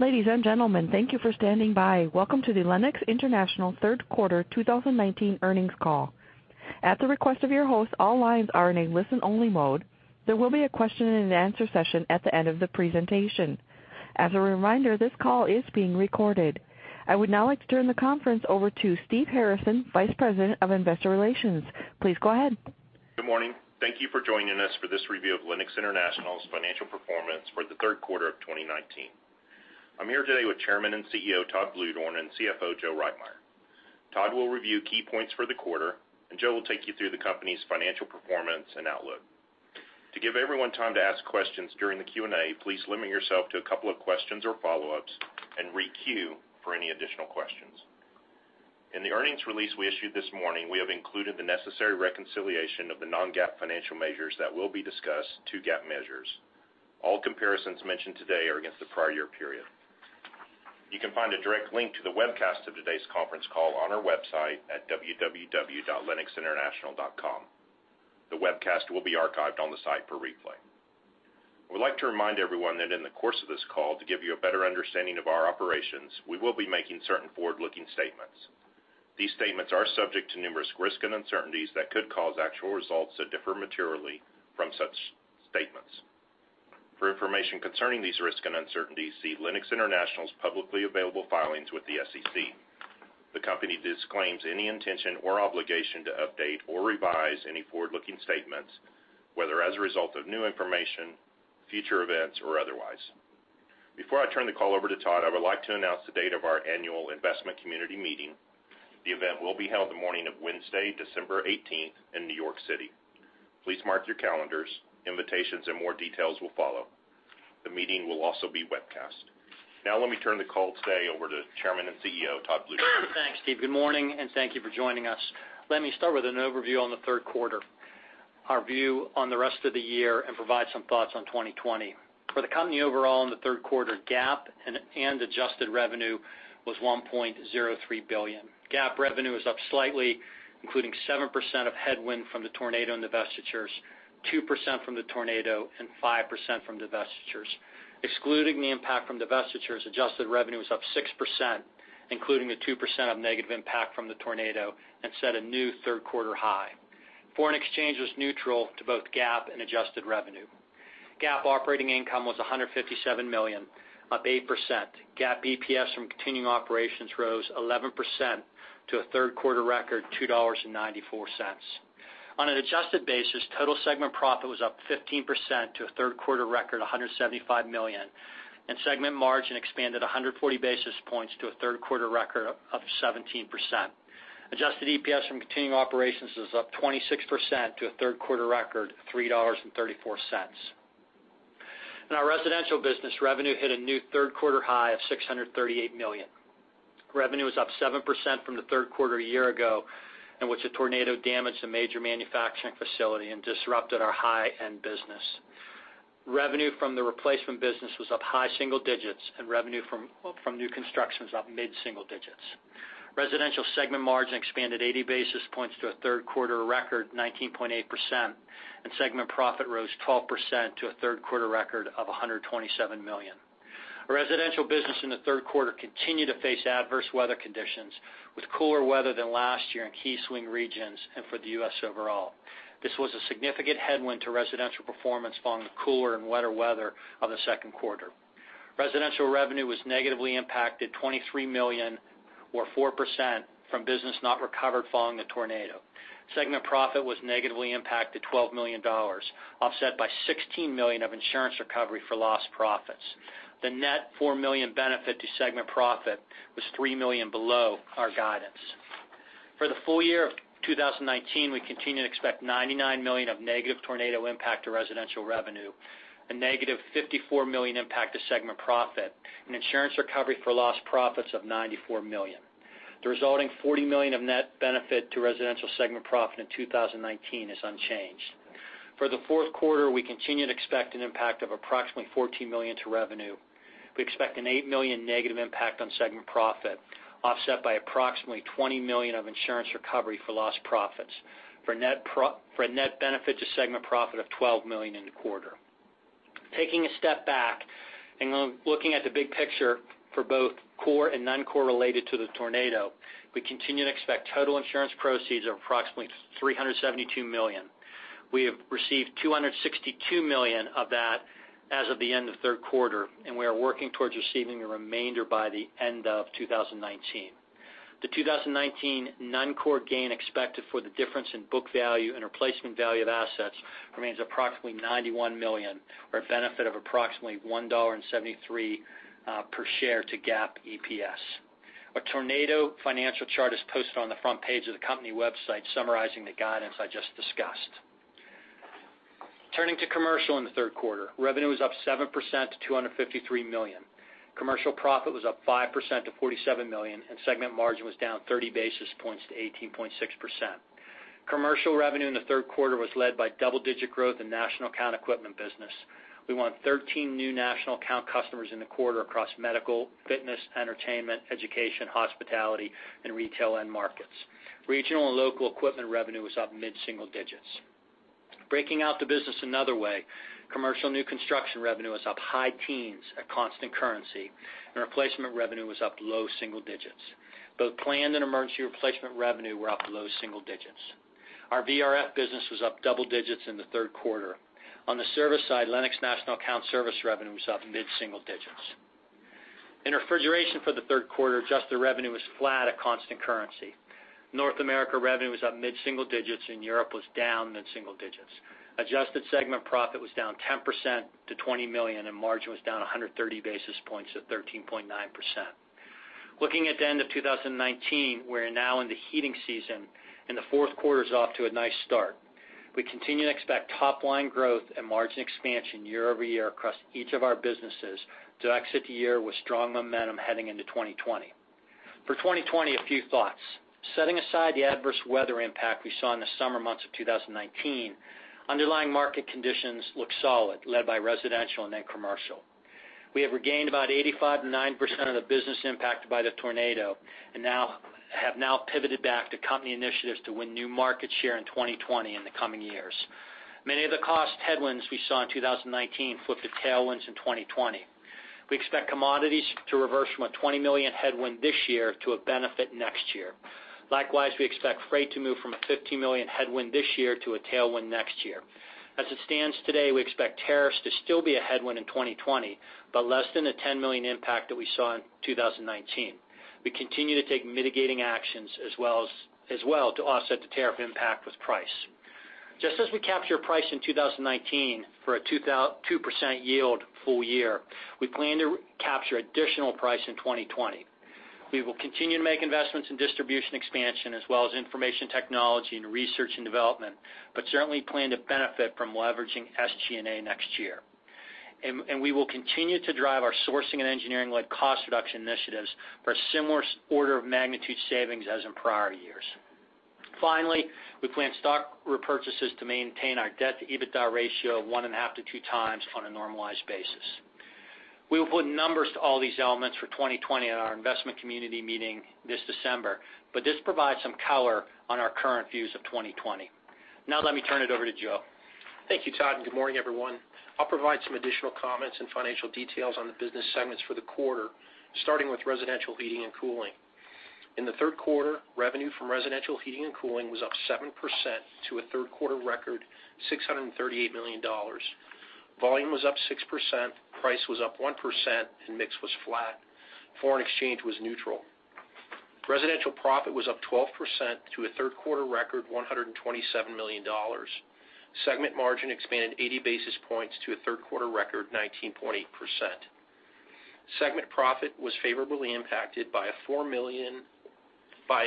Ladies and gentlemen, thank you for standing by. Welcome to the Lennox International third quarter 2019 earnings call. At the request of your host, all lines are in a listen-only mode. There will be a question and answer session at the end of the presentation. As a reminder, this call is being recorded. I would now like to turn the conference over to Steve Harrison, Vice President of Investor Relations. Please go ahead. Good morning. Thank you for joining us for this review of Lennox International's financial performance for the third quarter of 2019. I'm here today with Chairman and CEO, Todd Bluedorn, and CFO, Joseph Reitmeier. Todd will review key points for the quarter, and Joe will take you through the company's financial performance and outlook. To give everyone time to ask questions during the Q&A, please limit yourself to a couple of questions or follow-ups and re-queue for any additional questions. In the earnings release we issued this morning, we have included the necessary reconciliation of the non-GAAP financial measures that will be discussed to GAAP measures. All comparisons mentioned today are against the prior year period. You can find a direct link to the webcast of today's conference call on our website at www.lennoxinternational.com. The webcast will be archived on the site for replay. I would like to remind everyone that in the course of this call, to give you a better understanding of our operations, we will be making certain forward-looking statements. These statements are subject to numerous risks and uncertainties that could cause actual results to differ materially from such statements. For information concerning these risks and uncertainties, see Lennox International's publicly available filings with the SEC. The company disclaims any intention or obligation to update or revise any forward-looking statements, whether as a result of new information, future events, or otherwise. Before I turn the call over to Todd, I would like to announce the date of our annual investment community meeting. The event will be held the morning of Wednesday, December 18th in New York City. Please mark your calendars. Invitations and more details will follow. The meeting will also be webcast. Now let me turn the call today over to Chairman and CEO, Todd Bluedorn. Thanks, Steve. Good morning, thank you for joining us. Let me start with an overview on the third quarter, our view on the rest of the year, and provide some thoughts on 2020. For the company overall in the third quarter, GAAP and adjusted revenue was $1.03 billion. GAAP revenue was up slightly, including 7% of headwind from the tornado and divestitures, 2% from the tornado, and 5% from divestitures. Excluding the impact from divestitures, adjusted revenue was up 6%, including the 2% of negative impact from the tornado and set a new third-quarter high. Foreign exchange was neutral to both GAAP and adjusted revenue. GAAP operating income was $157 million, up 8%. GAAP EPS from continuing operations rose 11% to a third-quarter record, $2.94. On an adjusted basis, total segment profit was up 15% to a third-quarter record, $175 million, and segment margin expanded 140 basis points to a third-quarter record of 17%. Adjusted EPS from continuing operations is up 26% to a third-quarter record, $3.34. In our residential business, revenue hit a new third-quarter high of $638 million. Revenue was up 7% from the third quarter a year ago, in which a tornado damaged a major manufacturing facility and disrupted our high-end business. Revenue from the replacement business was up high single digits and revenue from new construction was up mid-single digits. Residential segment margin expanded 80 basis points to a third-quarter record, 19.8%, and segment profit rose 12% to a third-quarter record of $127 million. Our residential business in the third quarter continued to face adverse weather conditions, with cooler weather than last year in key swing regions and for the U.S. overall. This was a significant headwind to residential performance following the cooler and wetter weather of the second quarter. Residential revenue was negatively impacted $23 million, or 4%, from business not recovered following the tornado. Segment profit was negatively impacted $12 million, offset by $16 million of insurance recovery for lost profits. The net $4 million benefit to segment profit was $3 million below our guidance. For the full year of 2019, we continue to expect $99 million of negative tornado impact to residential revenue and negative $54 million impact to segment profit and insurance recovery for lost profits of $94 million. The resulting $40 million of net benefit to residential segment profit in 2019 is unchanged. For the fourth quarter, we continue to expect an impact of approximately $14 million to revenue. We expect an $8 million negative impact on segment profit, offset by approximately $20 million of insurance recovery for lost profits, for a net benefit to segment profit of $12 million in the quarter. Taking a step back and looking at the big picture for both core and non-core related to the tornado, we continue to expect total insurance proceeds of approximately $372 million. We have received $262 million of that as of the end of the third quarter, and we are working towards receiving the remainder by the end of 2019. The 2019 non-core gain expected for the difference in book value and replacement value of assets remains approximately $91 million, or a benefit of approximately $1.73 per share to GAAP EPS. A Tornado Financial Chart is posted on the front page of the company website summarizing the guidance I just discussed. Turning to Commercial in the third quarter, revenue was up 7% to $253 million. Commercial profit was up 5% to $47 million, and segment margin was down 30 basis points to 18.6%. Commercial revenue in the third quarter was led by double-digit growth in National Account equipment business. We won 13 new National Account customers in the quarter across medical, fitness, entertainment, education, hospitality, and retail end markets. Regional and local equipment revenue was up mid-single digits. Breaking out the business another way, Commercial new construction revenue was up high teens at constant currency, and replacement revenue was up low single digits. Both planned and emergency replacement revenue were up low single digits. Our VRF business was up double digits in the third quarter. On the service side, Lennox National Account Services revenue was up mid-single digits. In refrigeration for the third quarter, adjusted revenue was flat at constant currency. North America revenue was up mid-single digits and Europe was down mid-single digits. Adjusted segment profit was down 10% to $20 million, and margin was down 130 basis points at 13.9%. Looking at the end of 2019, we're now in the heating season, and the fourth quarter's off to a nice start. We continue to expect top-line growth and margin expansion year-over-year across each of our businesses to exit the year with strong momentum heading into 2020. For 2020, a few thoughts. Setting aside the adverse weather impact we saw in the summer months of 2019, underlying market conditions look solid, led by residential and then commercial. We have regained about 85% to 90% of the business impact by the tornado, and have now pivoted back to company initiatives to win new market share in 2020 and the coming years. Many of the cost headwinds we saw in 2019 flip to tailwinds in 2020. We expect commodities to reverse from a $20 million headwind this year to a benefit next year. Likewise, we expect freight to move from a $15 million headwind this year to a tailwind next year. As it stands today, we expect tariffs to still be a headwind in 2020, but less than a $10 million impact that we saw in 2019. We continue to take mitigating actions as well to offset the tariff impact with price. Just as we capture price in 2019 for a 2% yield full year, we plan to capture additional price in 2020. We will continue to make investments in distribution expansion as well as information technology and research and development, certainly plan to benefit from leveraging SG&A next year. We will continue to drive our sourcing and engineering-led cost reduction initiatives for a similar order of magnitude savings as in prior years. Finally, we plan stock repurchases to maintain our debt-to-EBITDA ratio of 1.5-2 times on a normalized basis. We will put numbers to all these elements for 2020 at our investment community meeting this December, this provides some color on our current views of 2020. Now let me turn it over to Joe. Thank you, Todd. Good morning, everyone. I'll provide some additional comments and financial details on the business segments for the quarter, starting with Residential Heating and Cooling. In the third quarter, revenue from Residential Heating and Cooling was up 7% to a third quarter record, $638 million. Volume was up 6%, price was up 1%, and mix was flat. Foreign exchange was neutral. Residential profit was up 12% to a third quarter record $127 million. Segment margin expanded 80 basis points to a third quarter record 19.8%. Segment profit was favorably impacted by a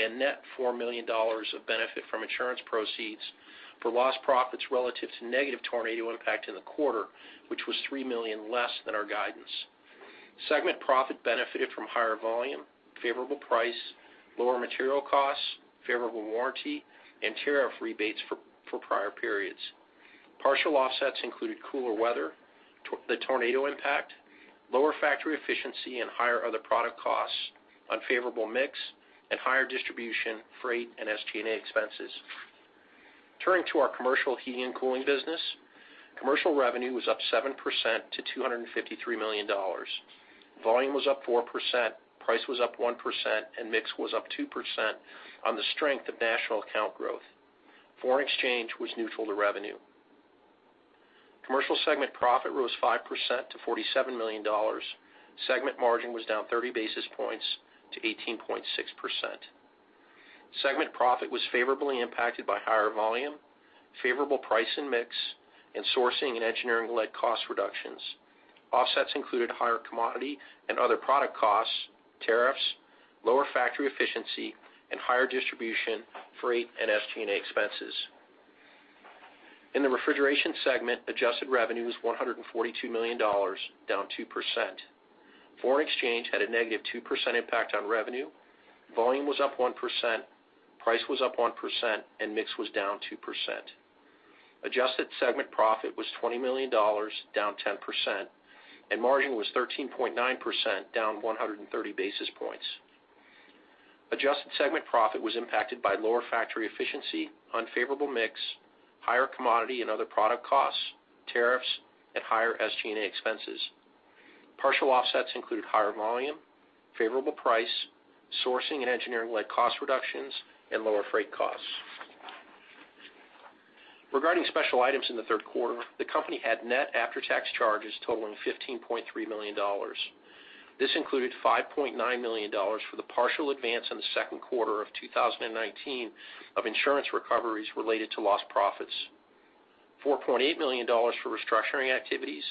net $4 million of benefit from insurance proceeds for lost profits relative to negative tornado impact in the quarter, which was $3 million less than our guidance. Segment profit benefited from higher volume, favorable price, lower material costs, favorable warranty, and tariff rebates for prior periods. Partial offsets included cooler weather, the tornado impact, lower factory efficiency, and higher other product costs, unfavorable mix, and higher distribution, freight, and SG&A expenses. Turning to our Commercial Heating and Cooling business. Commercial revenue was up 7% to $253 million. Volume was up 4%, price was up 1%, and mix was up 2% on the strength of National Account growth. Foreign exchange was neutral to revenue. Commercial segment profit rose 5% to $47 million. Segment margin was down 30 basis points to 18.6%. Segment profit was favorably impacted by higher volume, favorable price and mix, and sourcing and engineering-led cost reductions. Offsets included higher commodity and other product costs, tariffs, lower factory efficiency, and higher distribution, freight, and SG&A expenses. In the Refrigeration segment, adjusted revenue was $142 million, down 2%. Foreign exchange had a negative 2% impact on revenue. Volume was up 1%, price was up 1%, and mix was down 2%. Adjusted segment profit was $20 million, down 10%, and margin was 13.9%, down 130 basis points. Adjusted segment profit was impacted by lower factory efficiency, unfavorable mix, higher commodity and other product costs, tariffs, and higher SG&A expenses. Partial offsets include higher volume, favorable price, sourcing and engineering-led cost reductions, and lower freight costs. Regarding special items in the third quarter, the company had net after-tax charges totaling $15.3 million. This included $5.9 million for the partial advance in the second quarter of 2019 of insurance recoveries related to lost profits, $4.8 million for restructuring activities,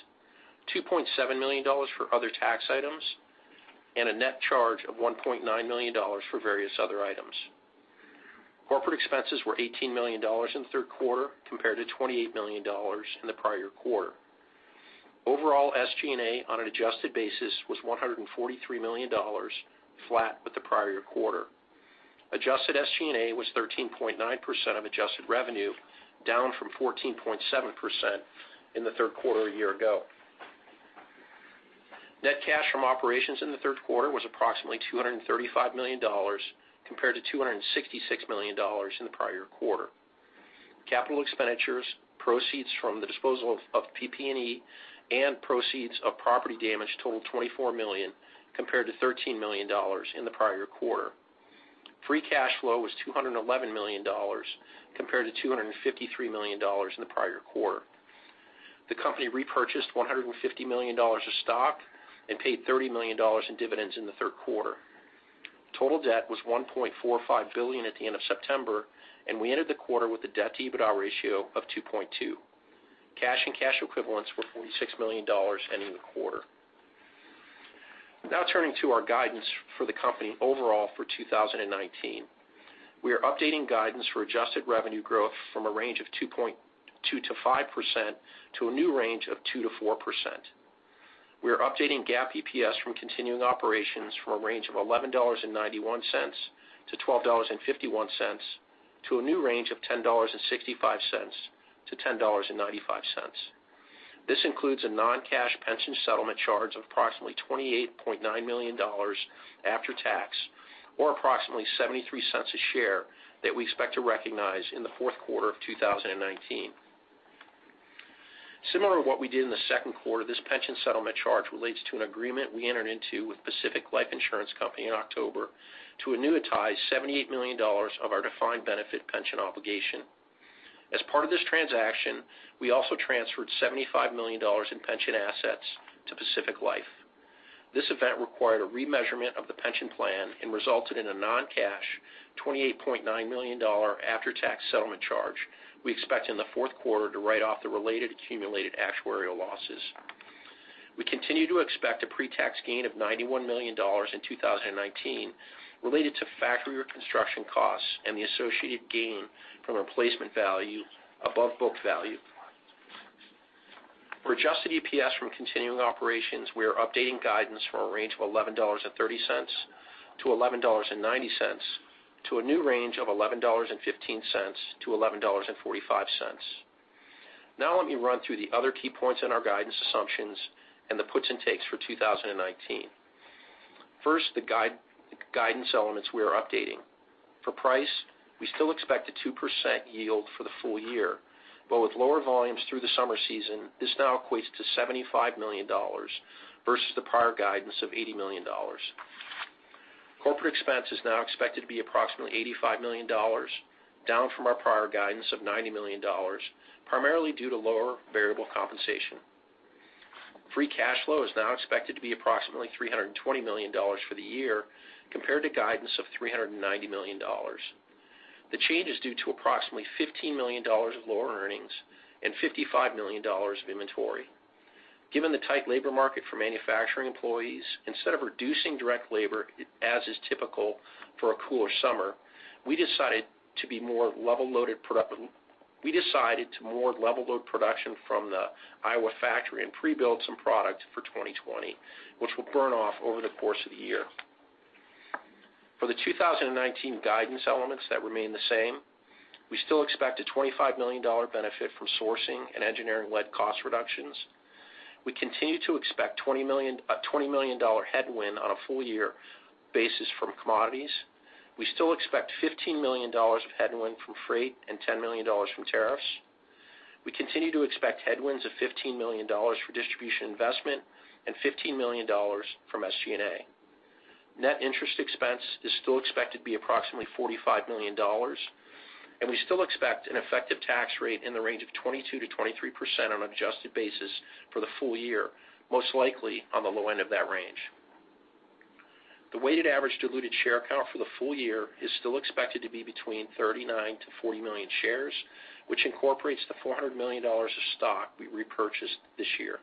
$2.7 million for other tax items, and a net charge of $1.9 million for various other items. Corporate expenses were $18 million in the third quarter compared to $28 million in the prior quarter. Overall, SG&A on an adjusted basis was $143 million, flat with the prior year quarter. Adjusted SG&A was 13.9% of adjusted revenue, down from 14.7% in the third quarter a year ago. Net cash from operations in the third quarter was approximately $235 million compared to $266 million in the prior quarter. Capital expenditures, proceeds from the disposal of PP&E, and proceeds of property damage totaled $24 million compared to $13 million in the prior quarter. Free cash flow was $211 million compared to $253 million in the prior quarter. The company repurchased $150 million of stock and paid $30 million in dividends in the third quarter. Total debt was $1.45 billion at the end of September, and we ended the quarter with a debt-to-EBITDA ratio of 2.2. Cash and cash equivalents were $46 million ending the quarter. Now turning to our guidance for the company overall for 2019. We are updating guidance for adjusted revenue growth from a range of 2%-5% to a new range of 2%-4%. We are updating GAAP EPS from continuing operations from a range of $11.91-$12.51 to a new range of $10.65-$10.95. This includes a non-cash pension settlement charge of approximately $28.9 million after tax, or approximately $0.73 a share that we expect to recognize in the fourth quarter of 2019. Similar to what we did in the second quarter, this pension settlement charge relates to an agreement we entered into with Pacific Life Insurance Company in October to annuitize $78 million of our defined benefit pension obligation. As part of this transaction, we also transferred $75 million in pension assets to Pacific Life. This event required a remeasurement of the pension plan and resulted in a non-cash $28.9 million after-tax settlement charge we expect in the fourth quarter to write off the related accumulated actuarial losses. We continue to expect a pre-tax gain of $91 million in 2019 related to factory reconstruction costs and the associated gain from a placement value above book value. For adjusted EPS from continuing operations, we are updating guidance from a range of $11.30-$11.90 to a new range of $11.15-$11.45. Now let me run through the other key points in our guidance assumptions and the puts and takes for 2019. First, the guidance elements we are updating. For price, we still expect a 2% yield for the full year, but with lower volumes through the summer season, this now equates to $75 million versus the prior guidance of $80 million. Corporate expense is now expected to be approximately $85 million, down from our prior guidance of $90 million, primarily due to lower variable compensation. Free cash flow is now expected to be approximately $320 million for the year compared to guidance of $390 million. The change is due to approximately $15 million of lower earnings and $55 million of inventory. Given the tight labor market for manufacturing employees, instead of reducing direct labor as is typical for a cooler summer, we decided to more level load production from the Iowa factory and pre-build some product for 2020, which will burn off over the course of the year. For the 2019 guidance elements that remain the same, we still expect a $25 million benefit from sourcing and engineering-led cost reductions. We continue to expect a $20 million headwind on a full-year basis from commodities. We still expect $15 million of headwind from freight and $10 million from tariffs. We continue to expect headwinds of $15 million for distribution investment and $15 million from SG&A. Net interest expense is still expected to be approximately $45 million. We still expect an effective tax rate in the range of 22%-23% on an adjusted basis for the full year, most likely on the low end of that range. The weighted average diluted share count for the full year is still expected to be between 39 million-40 million shares, which incorporates the $400 million of stock we repurchased this year.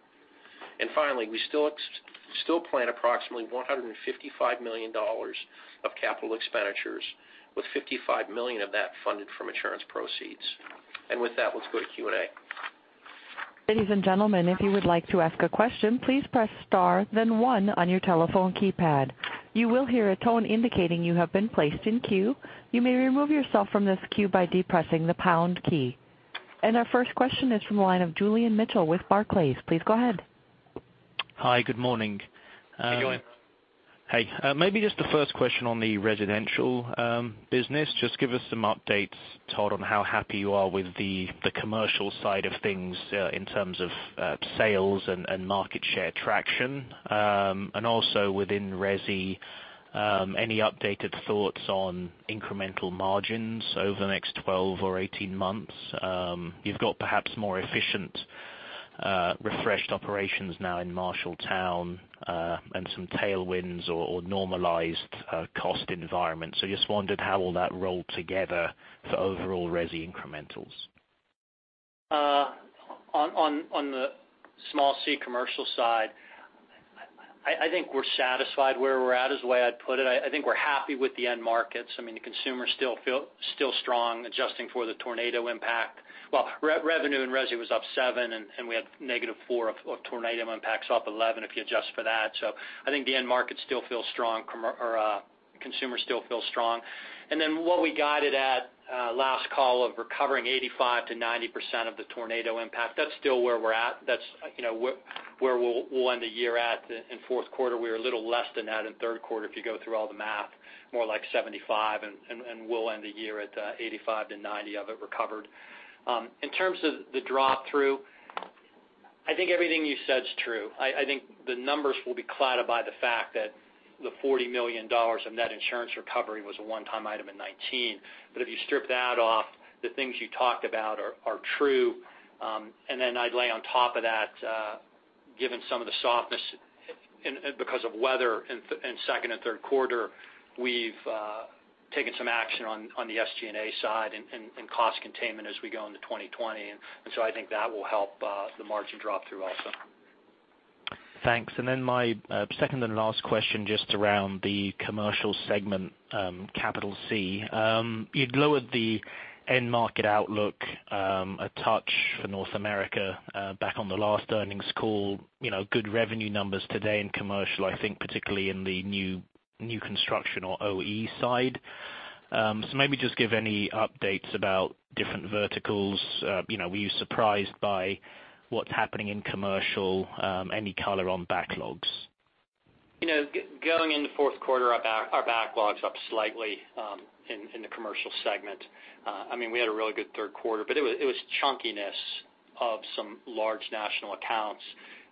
Finally, we still plan approximately $155 million of capital expenditures with $55 million of that funded from insurance proceeds. With that, let's go to Q&A. Ladies and gentlemen, if you would like to ask a question, please press star then one on your telephone keypad. You will hear a tone indicating you have been placed in queue. You may remove yourself from this queue by depressing the pound key. Our first question is from the line of Julian Mitchell with Barclays. Please go ahead. Hi. Good morning. Hey, Julian. Hey. Maybe just the first question on the residential business. Just give us some updates, Todd, on how happy you are with the commercial side of things in terms of sales and market share traction. Also within resi, any updated thoughts on incremental margins over the next 12 or 18 months? You've got perhaps more efficient refreshed operations now in Marshalltown and some tailwinds or normalized cost environment. Just wondered how will that roll together for overall resi incrementals. On the small C commercial side, I think we're satisfied where we're at, is the way I'd put it. I think we're happy with the end markets. The consumer is still strong, adjusting for the tornado impact. Well, revenue in resi was up 7%, and we had negative 4% of tornado impacts, up 11% if you adjust for that. I think the end market still feels strong. Consumers still feel strong. What we guided at last call of recovering 85%-90% of the tornado impact, that's still where we're at. That's where we'll end the year at. In fourth quarter, we were a little less than that. In third quarter, if you go through all the math, more like 75%, and we'll end the year at 85%-90% of it recovered. In terms of the drop through, I think everything you said is true. I think the numbers will be clouded by the fact that the $40 million of net insurance recovery was a one-time item in 2019. If you strip that off, the things you talked about are true. I'd lay on top of that, given some of the softness because of weather in second and third quarter, we've taken some action on the SG&A side and cost containment as we go into 2020. I think that will help the margin drop through also. Thanks. My second-to-last question, just around the Commercial segment. You'd lowered the end market outlook a touch for North America back on the last earnings call. Good revenue numbers today in Commercial, I think particularly in the new construction or OE side. Maybe just give any updates about different verticals. Were you surprised by what's happening in Commercial? Any color on backlogs? Going into fourth quarter, our backlog's up slightly in the commercial segment. We had a really good third quarter, but it was chunkiness of some large national accounts.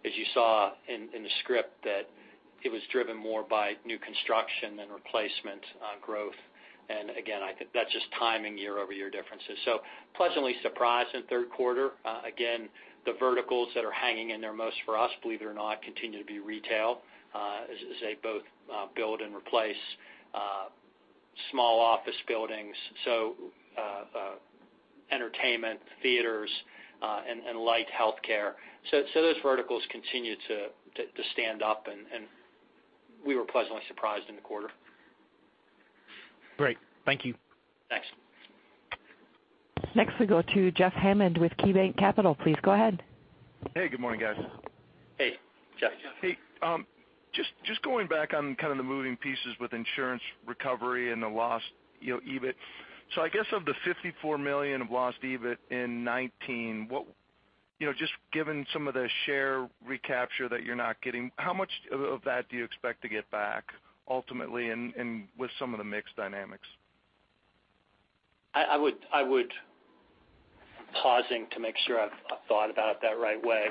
As you saw in the script, that it was driven more by new construction than replacement growth. Again, I think that's just timing year-over-year differences. Pleasantly surprised in third quarter. Again, the verticals that are hanging in there most for us, believe it or not, continue to be retail as they both build and replace small office buildings, so entertainment theaters and light healthcare. Those verticals continue to stand up, and we were pleasantly surprised in the quarter. Great. Thank you. Thanks. Next we'll go to Jeff Hammond with KeyBanc Capital. Please go ahead. Hey, good morning, guys. Hey, Jeff. Hey. Just going back on kind of the moving pieces with insurance recovery and the lost EBIT. I guess of the $54 million of lost EBIT in 2019, just given some of the share recapture that you're not getting, how much of that do you expect to get back ultimately and with some of the mix dynamics? Pausing to make sure I've thought about it that right way.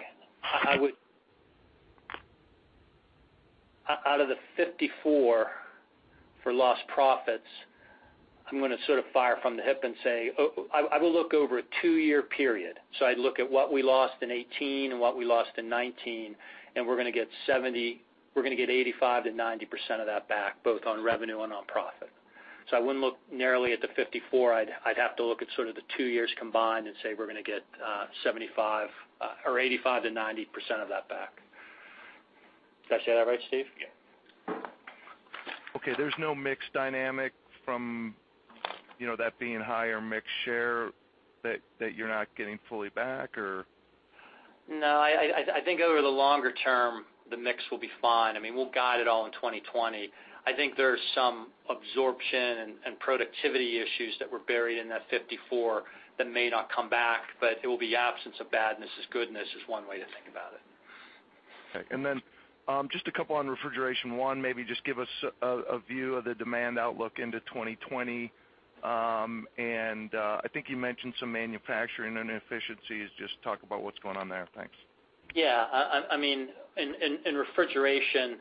Out of the $54 for lost profits, I'm going to sort of fire from the hip and say I will look over a two-year period. I'd look at what we lost in 2018 and what we lost in 2019, and we're going to get 85%-90% of that back, both on revenue and on profit. I wouldn't look narrowly at the $54. I'd have to look at sort of the two years combined and say we're going to get 85%-90% of that back. Did I say that right, Steve? Yeah. Okay. There's no mix dynamic from that being higher mix share that you're not getting fully back, or? No. I think over the longer term, the mix will be fine. We'll guide it all in 2020. I think there's some absorption and productivity issues that were buried in that 54 that may not come back, but it will be absence of badness is goodness, is one way to think about it. Okay. Just a couple on refrigeration. One, maybe just give us a view of the demand outlook into 2020. I think you mentioned some manufacturing inefficiencies. Just talk about what's going on there. Thanks. In refrigeration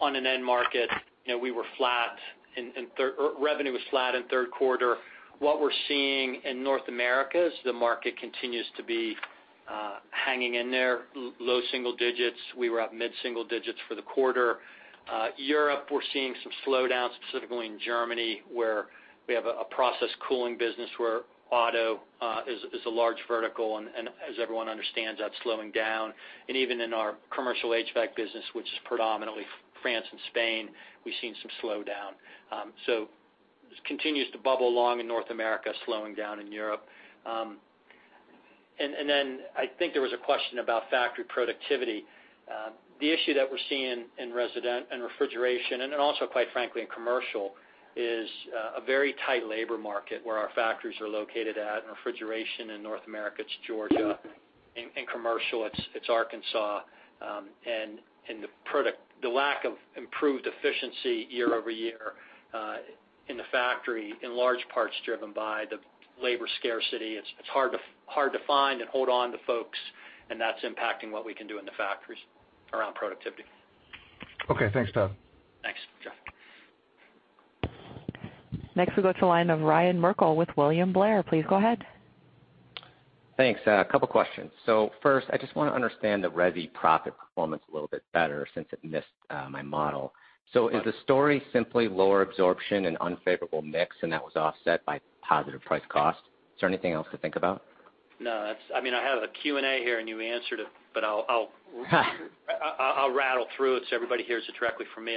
on an end market, revenue was flat in third quarter. What we're seeing in North America is the market continues to be hanging in there, low single digits. We were up mid-single digits for the quarter. Europe, we're seeing some slowdown, specifically in Germany, where we have a process cooling business where auto is a large vertical. As everyone understands, that's slowing down. Even in our commercial HVAC business, which is predominantly France and Spain, we've seen some slowdown. It continues to bubble along in North America, slowing down in Europe. I think there was a question about factory productivity. The issue that we're seeing in residential and refrigeration, and then also, quite frankly, in commercial, is a very tight labor market where our factories are located at. In refrigeration in North America, it's Georgia. In commercial, it's Arkansas. The lack of improved efficiency year-over-year in the factory in large part is driven by the labor scarcity. It's hard to find and hold on to folks, and that's impacting what we can do in the factories around productivity. Okay. Thanks, Todd. Thanks, Jeff. Next we go to the line of Ryan Merkel with William Blair. Please go ahead. Thanks. A couple questions. First, I just want to understand the resi profit performance a little bit better since it missed my model. Is the story simply lower absorption and unfavorable mix and that was offset by positive price cost? Is there anything else to think about? No. I have a Q&A here and you answered it, but I'll rattle through it so everybody hears it directly from me.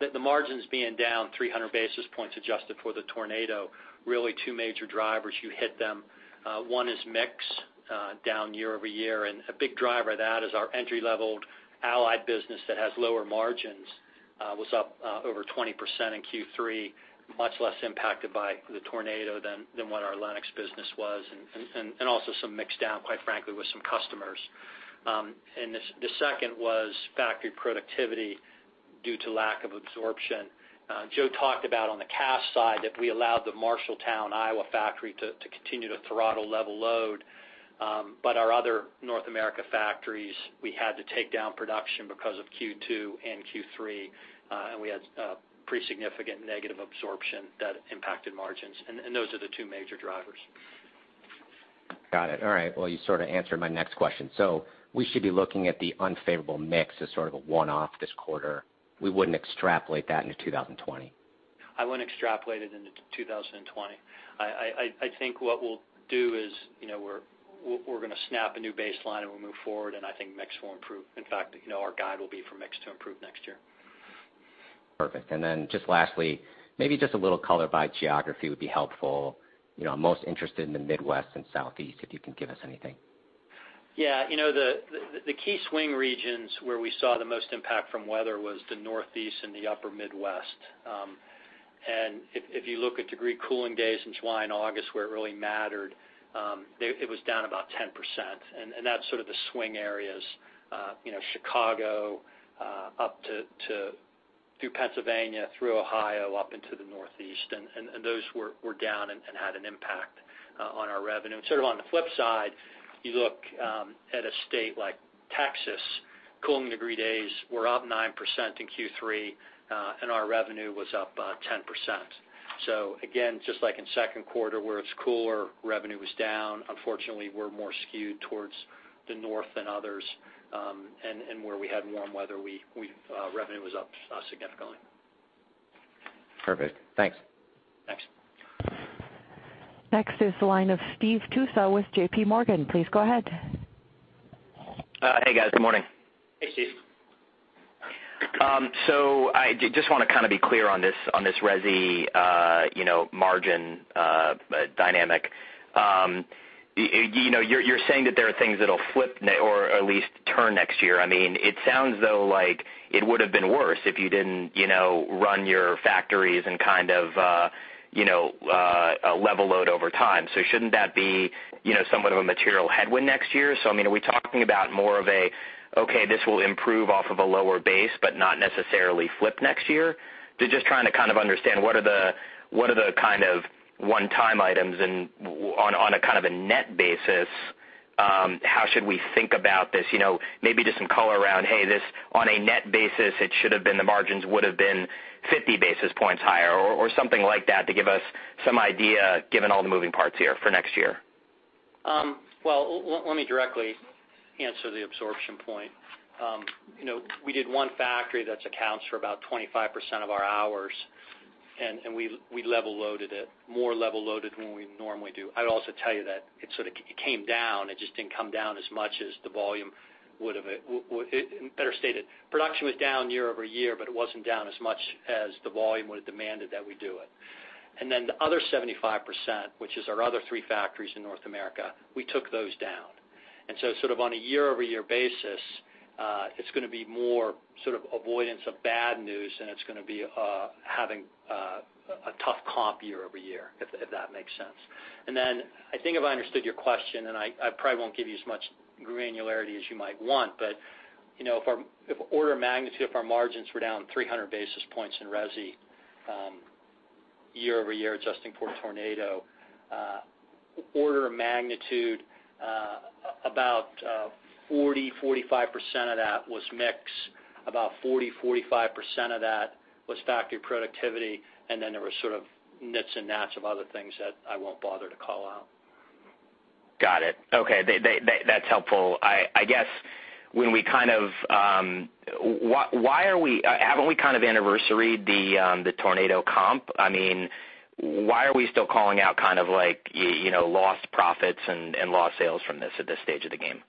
The margins being down 300 basis points adjusted for the tornado, really two major drivers. You hit them. One is mix down year-over-year, a big driver of that is our entry-level Allied business that has lower margins. Was up over 20% in Q3, much less impacted by the tornado than what our Lennox business was, also some mix down, quite frankly, with some customers. The second was factory productivity due to lack of absorption. Joe talked about on the cash side that we allowed the Marshalltown Iowa factory to continue to throttle level load. Our other North America factories, we had to take down production because of Q2 and Q3. We had pretty significant negative absorption that impacted margins. Those are the two major drivers. Got it. All right. Well, you sort of answered my next question. We should be looking at the unfavorable mix as sort of a one-off this quarter. We wouldn't extrapolate that into 2020. I wouldn't extrapolate it into 2020. I think what we'll do is we're going to snap a new baseline, and we'll move forward, and I think mix will improve. In fact, our guide will be for mix to improve next year. Perfect. Then just lastly, maybe just a little color by geography would be helpful. I'm most interested in the Midwest and Southeast, if you can give us anything. Yeah. The key swing regions where we saw the most impact from weather was the Northeast and the upper Midwest. If you look at degree cooling days in July and August where it really mattered, it was down about 10%. That's sort of the swing areas. Chicago up through Pennsylvania, through Ohio, up into the Northeast, those were down and had an impact on our revenue. Sort of on the flip side, you look at a state like Texas, cooling degree days were up 9% in Q3, and our revenue was up 10%. Again, just like in second quarter where it's cooler, revenue was down. Unfortunately, we're more skewed towards the north than others, where we had warm weather, revenue was up significantly. Perfect. Thanks. Thanks. Next is the line of Steve Tusa with J.P. Morgan. Please go ahead. Hey, guys. Good morning. Hey, Steve. I just want to kind of be clear on this resi margin dynamic. You're saying that there are things that'll flip or at least turn next year. It sounds though like it would have been worse if you didn't run your factories and kind of level load over time. Shouldn't that be somewhat of a material headwind next year? Are we talking about more of a, okay, this will improve off of a lower base, but not necessarily flip next year? Just trying to kind of understand what are the kind of one-time items, and on a kind of a net basis, how should we think about this? Maybe just some color around, hey, this on a net basis, it should have been the margins would have been 50 basis points higher or something like that to give us some idea, given all the moving parts here for next year. Well, let me directly answer the absorption point. We did one factory that accounts for about 25% of our hours, and we level loaded it, more level loaded than we normally do. I would also tell you that it sort of came down. It just didn't come down as much as the volume would have. Better stated, production was down year-over-year, but it wasn't down as much as the volume would have demanded that we do it. The other 75%, which is our other three factories in North America, we took those down. Sort of on a year-over-year basis, it's going to be more sort of avoidance of bad news than it's going to be having a tough comp year-over-year, if that makes sense. I think if I understood your question, and I probably won't give you as much granularity as you might want, but if order of magnitude, if our margins were down 300 basis points in resi year-over-year, adjusting for tornado, order of magnitude, about 40%, 45% of that was mix, about 40%, 45% of that was factory productivity, and then there were sort of nits and nats of other things that I won't bother to call out. Got it. Okay. That's helpful. Haven't we kind of anniversaried the tornado comp? Why are we still calling out kind of like lost profits and lost sales from this at this stage of the game?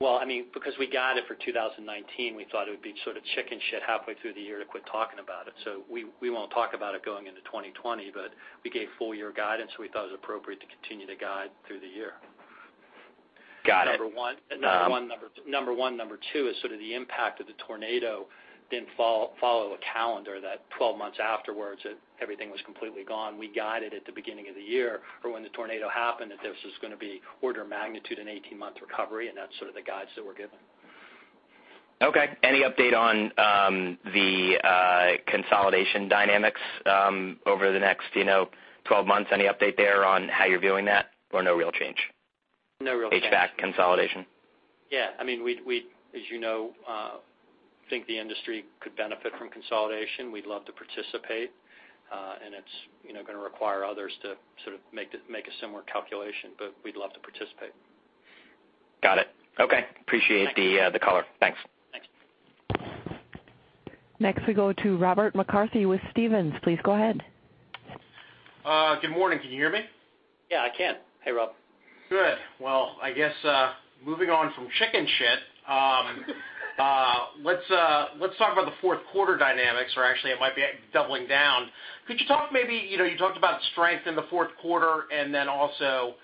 Well, because we got it for 2019, we thought it would be sort of chicken shit halfway through the year to quit talking about it. We won't talk about it going into 2020, but we gave full year guidance, so we thought it was appropriate to continue to guide through the year. Got it. Number one. Number two is sort of the impact of the tornado didn't follow a calendar that 12 months afterwards, everything was completely gone. We guided at the beginning of the year for when the tornado happened, that this was going to be order of magnitude an 18-month recovery. That's sort of the guides that we're giving. Okay. Any update on the consolidation dynamics over the next 12 months? Any update there on how you're viewing that, or no real change? No real change. HVAC consolidation. Yeah. We, as you know, think the industry could benefit from consolidation. We'd love to participate. It's going to require others to sort of make a similar calculation, but we'd love to participate. Got it. Okay. Appreciate the color. Thanks. Thanks. Next we go to Robert McCarthy with Stephens. Please go ahead. Good morning. Can you hear me? Yeah, I can. Hey, Rob. Good. Well, I guess moving on from chicken shit, let's talk about the fourth quarter dynamics, or actually it might be doubling down. Could you talk maybe, you talked about strength in the fourth quarter, and then also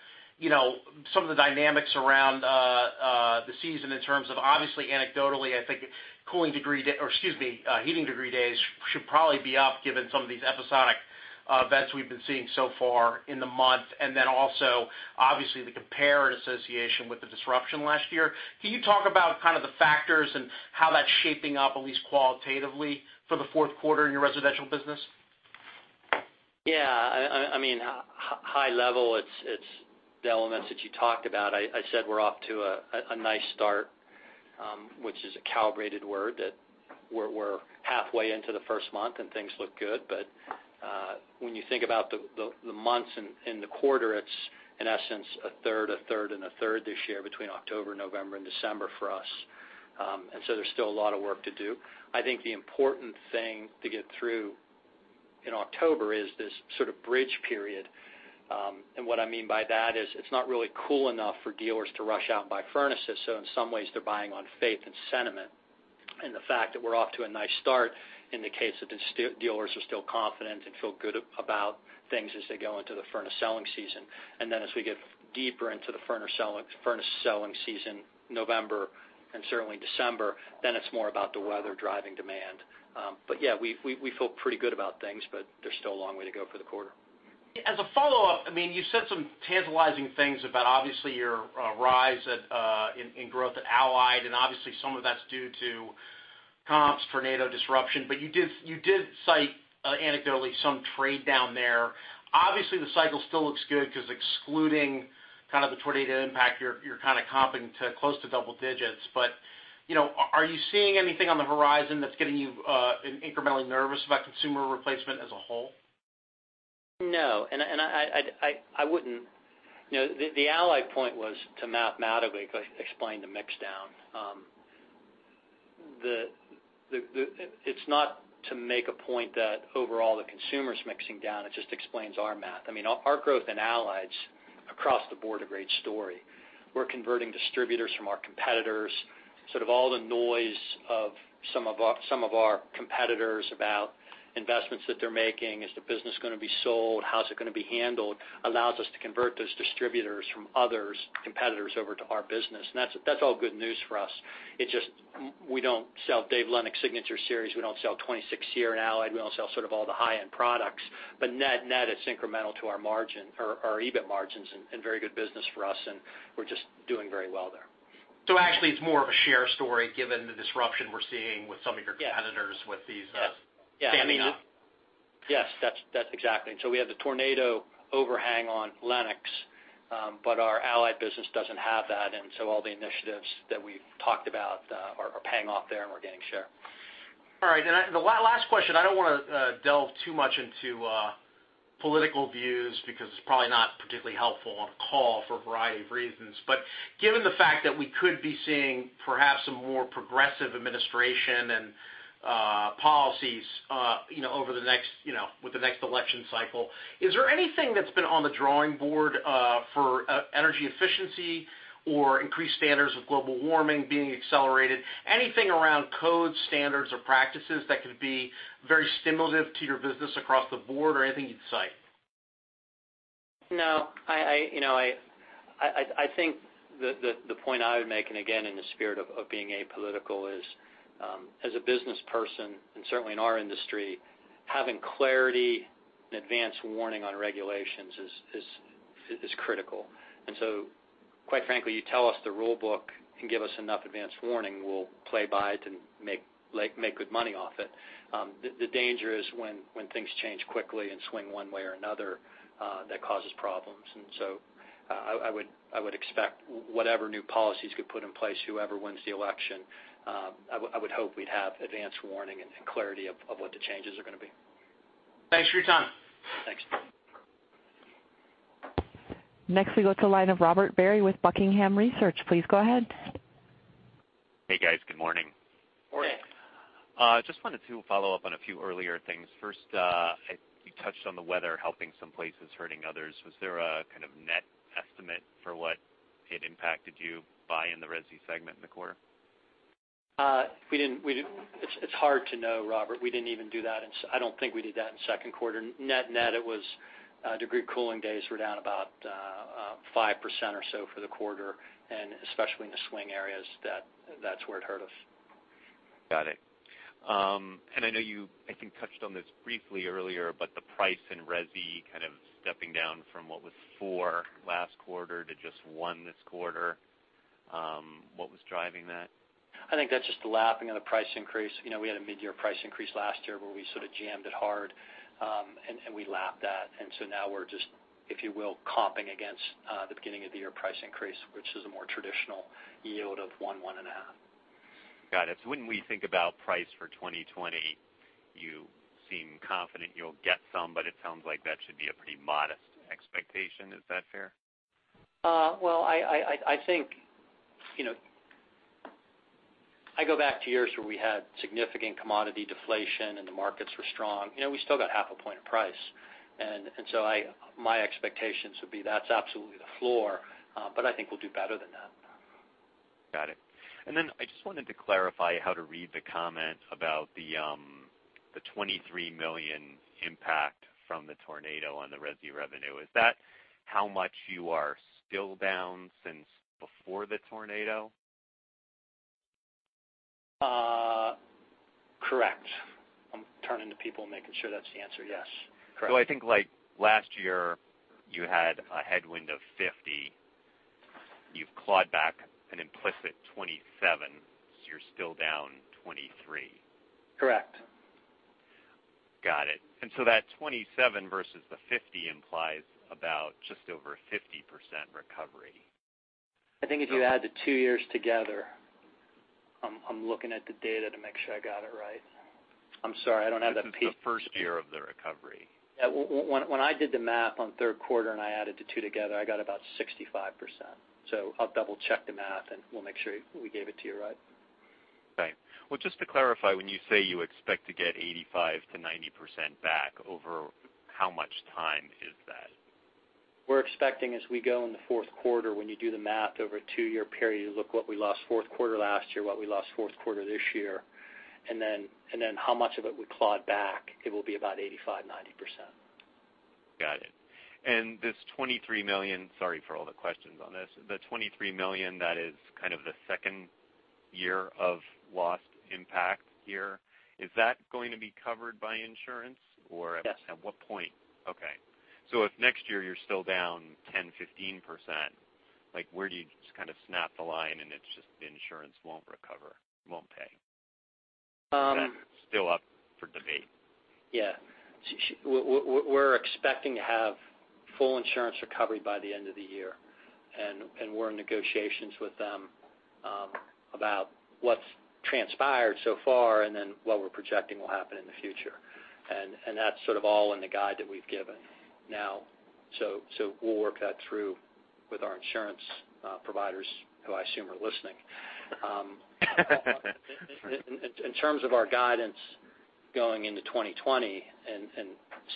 some of the dynamics around the season in terms of, obviously anecdotally, I think heating degree days should probably be up given some of these episodic events we've been seeing so far in the month, and then also, obviously the compare and association with the disruption last year. Can you talk about the factors and how that's shaping up, at least qualitatively, for the fourth quarter in your residential business? Yeah. High level, it's the elements that you talked about. I said we're off to a nice start, which is a calibrated word, that we're halfway into the first month and things look good. When you think about the months in the quarter, it's, in essence, a third, a third, and a third this year between October, November, and December for us. There's still a lot of work to do. I think the important thing to get through in October is this sort of bridge period. What I mean by that is it's not really cool enough for dealers to rush out and buy furnaces, so in some ways they're buying on faith and sentiment. The fact that we're off to a nice start indicates that the dealers are still confident and feel good about things as they go into the furnace selling season. Then as we get deeper into the furnace selling season, November, and certainly December, then it's more about the weather driving demand. Yeah, we feel pretty good about things, but there's still a long way to go for the quarter. As a follow-up, you said some tantalizing things about, obviously, your rise in growth at Allied, and obviously some of that's due to comps, tornado disruption, but you did cite anecdotally some trade down there. Obviously, the cycle still looks good because excluding kind of the tornado impact, you're kind of comping to close to double digits. Are you seeing anything on the horizon that's getting you incrementally nervous about consumer replacement as a whole? No, I wouldn't. The Allied point was to mathematically explain the mix down. It's not to make a point that overall the consumer's mixing down. It just explains our math. Our growth in Allied across the board a great story. We're converting distributors from our competitors. Sort of all the noise of some of our competitors about investments that they're making. Is the business going to be sold? How's it going to be handled? Allows us to convert those distributors from others, competitors over to our business, and that's all good news for us. It's just we don't sell Dave Lennox Signature Collection, we don't sell 26 SEER in Allied. We don't sell sort of all the high-end products. Net, it's incremental to our margin, our EBIT margins, and very good business for us, and we're just doing very well there. Actually, it's more of a share story given the disruption we're seeing with some of your competitors. Yeah with these standing up. Yes. That's exactly. We have the tornado overhang on Lennox. Our Allied business doesn't have that, all the initiatives that we've talked about are paying off there, and we're gaining share. All right. The last question, I don't want to delve too much into political views because it's probably not particularly helpful on a call for a variety of reasons. Given the fact that we could be seeing perhaps a more progressive administration and policies with the next election cycle, is there anything that's been on the drawing board for energy efficiency or increased standards of global warming being accelerated? Anything around codes, standards, or practices that could be very stimulative to your business across the board or anything you'd cite? No. I think the point I would make, and again, in the spirit of being apolitical, is as a business person, and certainly in our industry, having clarity and advance warning on regulations is critical. Quite frankly, you tell us the rule book and give us enough advance warning, we'll play by it and make good money off it. The danger is when things change quickly and swing one way or another, that causes problems. I would expect whatever new policies get put in place, whoever wins the election, I would hope we'd have advance warning and clarity of what the changes are going to be. Thanks for your time. Thanks. Next we go to the line of Robert Barry with Buckingham Research. Please go ahead. Hey, guys. Good morning. Morning. Hey. Just wanted to follow up on a few earlier things. First, you touched on the weather helping some places, hurting others. Was there a kind of net estimate for what it impacted you by in the resi segment in the quarter? It's hard to know, Robert. We didn't even do that, and I don't think we did that in the second quarter. Net, it was degree cooling days were down about 5% or so for the quarter, and especially in the swing areas, that's where it hurt us. Got it. I know you, I think, touched on this briefly earlier, but the price in resi kind of stepping down from what was four last quarter to just one this quarter. What was driving that? I think that's just the lapping of the price increase. We had a mid-year price increase last year where we sort of jammed it hard, and we lapped that. Now we're just, if you will, comping against the beginning of the year price increase, which is a more traditional yield of 1%-1.5%. Got it. When we think about price for 2020, you seem confident you'll get some, but it sounds like that should be a pretty modest expectation. Is that fair? Well, I go back to years where we had significant commodity deflation and the markets were strong. We still got half a point of price. My expectations would be that's absolutely the floor. I think we'll do better than that. Got it. I just wanted to clarify how to read the comment about the $23 million impact from the tornado on the resi revenue. Is that how much you are still down since before the tornado? Correct. I'm turning to people, making sure that's the answer. Yes. Correct. I think last year you had a headwind of $50. You've clawed back an implicit $27, so you're still down $23. Correct. Got it. That 27 versus the 50 implies about just over 50% recovery. I think if you add the two years together, I'm looking at the data to make sure I got it right. I'm sorry, I don't have the. This is the first year of the recovery. Yeah. When I did the math on third quarter and I added the two together, I got about 65%. I'll double check the math, and we'll make sure we gave it to you right. Okay. Well, just to clarify, when you say you expect to get 85%-90% back, over how much time is that? We're expecting as we go in the fourth quarter, when you do the math over a two-year period, you look what we lost fourth quarter last year, what we lost fourth quarter this year, and then how much of it we clawed back, it will be about 85%, 90%. Got it. This $23 million, sorry for all the questions on this, the $23 million that is kind of the second year of lost impact here, is that going to be covered by insurance? Yes at what point? Okay. If next year you're still down 10%, 15%, where do you just kind of snap the line and it's just insurance won't recover, won't pay? Um- Is that still up for debate? We're expecting to have full insurance recovery by the end of the year, and we're in negotiations with them about what's transpired so far and then what we're projecting will happen in the future. That's sort of all in the guide that we've given. We'll work that through with our insurance providers, who I assume are listening. In terms of our guidance going into 2020, and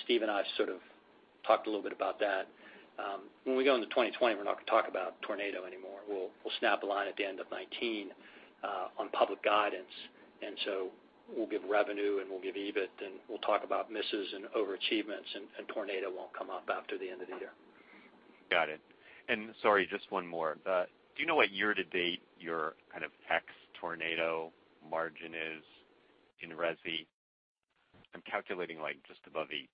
Steve and I sort of talked a little bit about that. When we go into 2020, we're not going to talk about tornado anymore. We'll snap the line at the end of 2019 on public guidance. We'll give revenue and we'll give EBIT, and we'll talk about misses and over achievements, and tornado won't come up after the end of the year. Got it. Sorry, just one more. Do you know what year-to-date your kind of ex tornado margin is in resi? I'm calculating just above 18.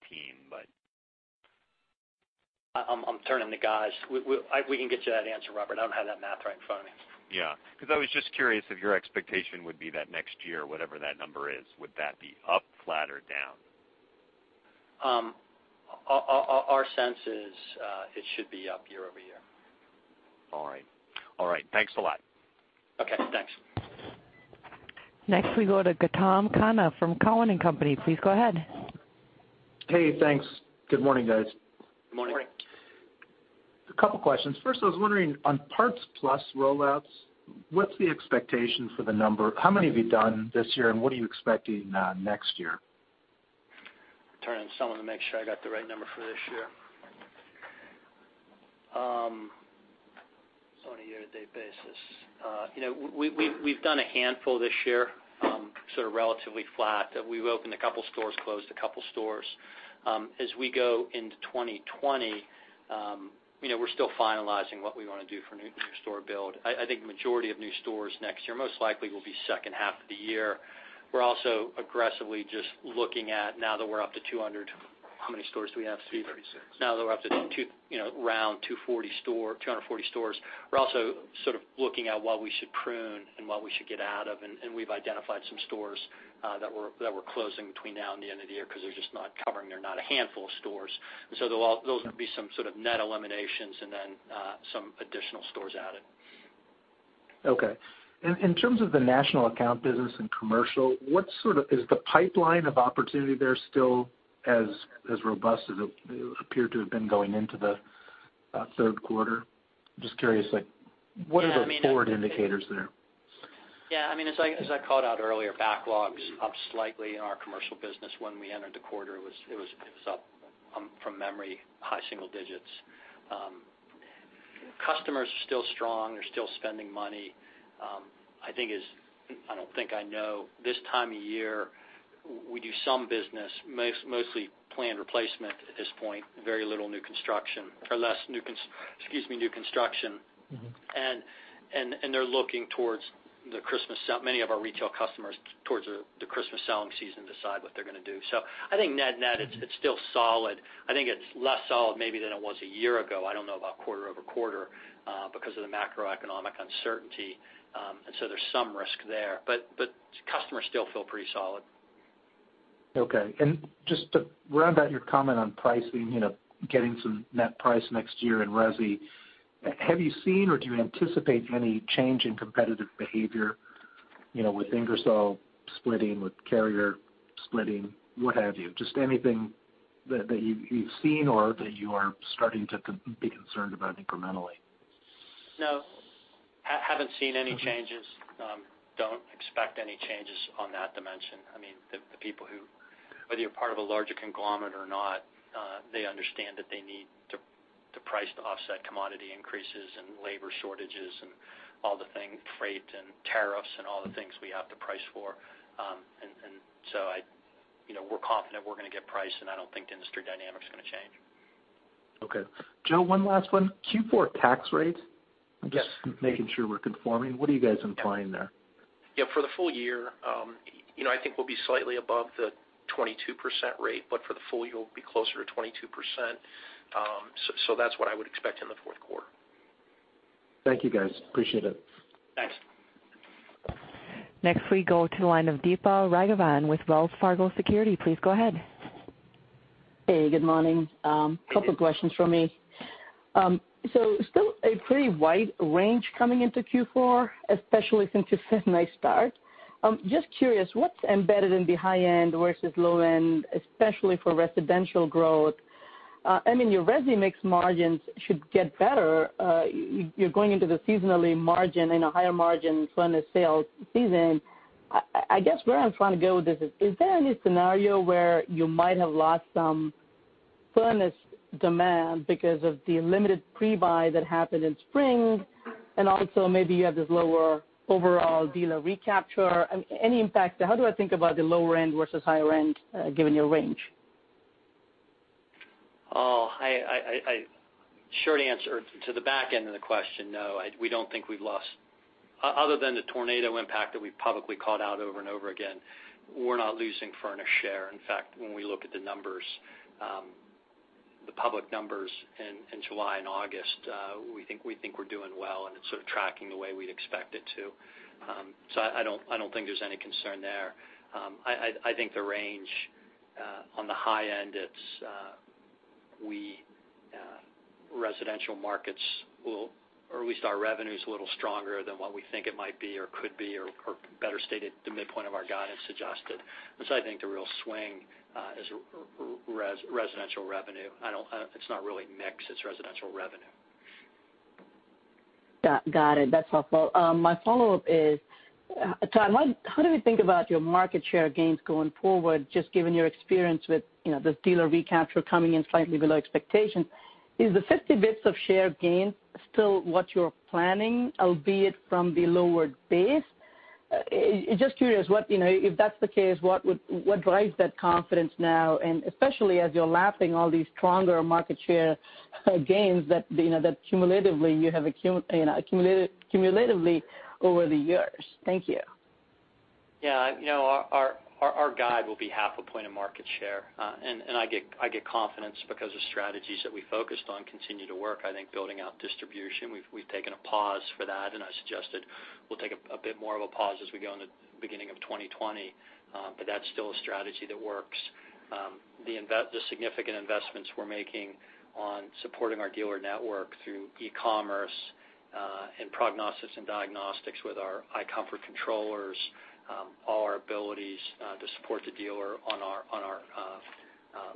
I'm turning to guys. We can get you that answer, Robert. I don't have that math right in front of me. Yeah. I was just curious if your expectation would be that next year, whatever that number is, would that be up, flat, or down? Our sense is it should be up year-over-year. All right. Thanks a lot. Okay, thanks. Next we go to Gautam Khanna from Cowen and Company. Please go ahead. Hey, thanks. Good morning, guys. Good morning. Morning. Two questions. First, I was wondering, on Lennox PartsPlus rollouts, what's the expectation for the number? How many have you done this year, and what are you expecting next year? Turning to someone to make sure I got the right number for this year. It's on a year-to-date basis. We've done a handful this year, sort of relatively flat. We've opened a couple stores, closed a couple stores. As we go into 2020, we're still finalizing what we want to do for new store build. I think majority of new stores next year most likely will be second half of the year. We're also aggressively just looking at, now that we're up to 200, how many stores do we have, Steve? 236. Now that we're up to around 240 stores, we're also sort of looking at what we should prune and what we should get out of. We've identified some stores that we're closing between now and the end of the year because they're just not covering. They're not a handful of stores. Those would be some sort of net eliminations and then some additional stores added. Okay. In terms of the National Account business and commercial, is the pipeline of opportunity there still as robust as it appeared to have been going into the third quarter? Just curious, what are the forward indicators there? Yeah. As I called out earlier, backlogs up slightly in our commercial business. When I entered the quarter, it was up, from memory, high single digits. Customers are still strong, they're still spending money. I don't think I know, this time of year, we do some business, mostly planned replacement at this point, very little new construction, or less, excuse me, new construction. They're looking towards many of our retail customers, towards the Christmas selling season to decide what they're gonna do. I think net, it's still solid. I think it's less solid maybe than it was a year ago, I don't know about quarter-over-quarter, because of the macroeconomic uncertainty. There's some risk there. Customers still feel pretty solid. Okay. Just to round out your comment on pricing, getting some net price next year in resi, have you seen or do you anticipate any change in competitive behavior with Ingersoll splitting, with Carrier splitting, what have you? Just anything that you've seen or that you are starting to be concerned about incrementally? No. Haven't seen any changes. Don't expect any changes on that dimension. The people who, whether you're part of a larger conglomerate or not, they understand that they need to price to offset commodity increases and labor shortages and all the things, freight and tariffs and all the things we have to price for. So we're confident we're going to get price, and I don't think the industry dynamic's going to change. Okay. Joe, one last one. Q4 tax rates. Yes. I'm just making sure we're conforming. What are you guys implying there? Yeah. For the full year, I think we'll be slightly above the 22% rate, but for the full year, we'll be closer to 22%. That's what I would expect in the fourth quarter. Thank you, guys. Appreciate it. Thanks. Next, we go to the line of Deepa Raghavan with Wells Fargo Securities. Please go ahead. Hey, good morning. Good morning. Couple questions from me. Still a pretty wide range coming into Q4, especially since you've hit a nice start. Just curious, what's embedded in the high end versus low end, especially for residential growth? I mean, your resi mix margins should get better. You're going into the seasonally margin in a higher margin furnace sales season. I guess where I'm trying to go with this is there any scenario where you might have lost some furnace demand because of the limited pre-buy that happened in spring, and also maybe you have this lower overall dealer recapture, any impact? How do I think about the lower end versus higher end, given your range? Short answer to the back end of the question, no, we don't think we've lost. Other than the tornado impact that we've publicly called out over and over again, we're not losing furnace share. In fact, when we look at the numbers, the public numbers in July and August, we think we're doing well, and it's sort of tracking the way we'd expect it to. I don't think there's any concern there. I think the range on the high end, it's residential markets will, or at least our revenue's a little stronger than what we think it might be or could be or, better stated, the midpoint of our guidance adjusted. I think the real swing is residential revenue. It's not really mix, it's residential revenue. Got it. That's helpful. My follow-up is, Todd, how do we think about your market share gains going forward, just given your experience with the dealer recapture coming in slightly below expectations? Is the 50 basis points of share gain still what you're planning, albeit from the lower base? Just curious, if that's the case, what drives that confidence now, and especially as you're lapping all these stronger market share gains that cumulatively you have accumulated over the years. Thank you. Our guide will be half a point of market share. I get confidence because the strategies that we focused on continue to work. I think building out distribution, we've taken a pause for that. I suggested we'll take a bit more of a pause as we go in the beginning of 2020. That's still a strategy that works. The significant investments we're making on supporting our dealer network through e-commerce, prognosis and diagnostics with our iComfort controllers, all our abilities to support the dealer on our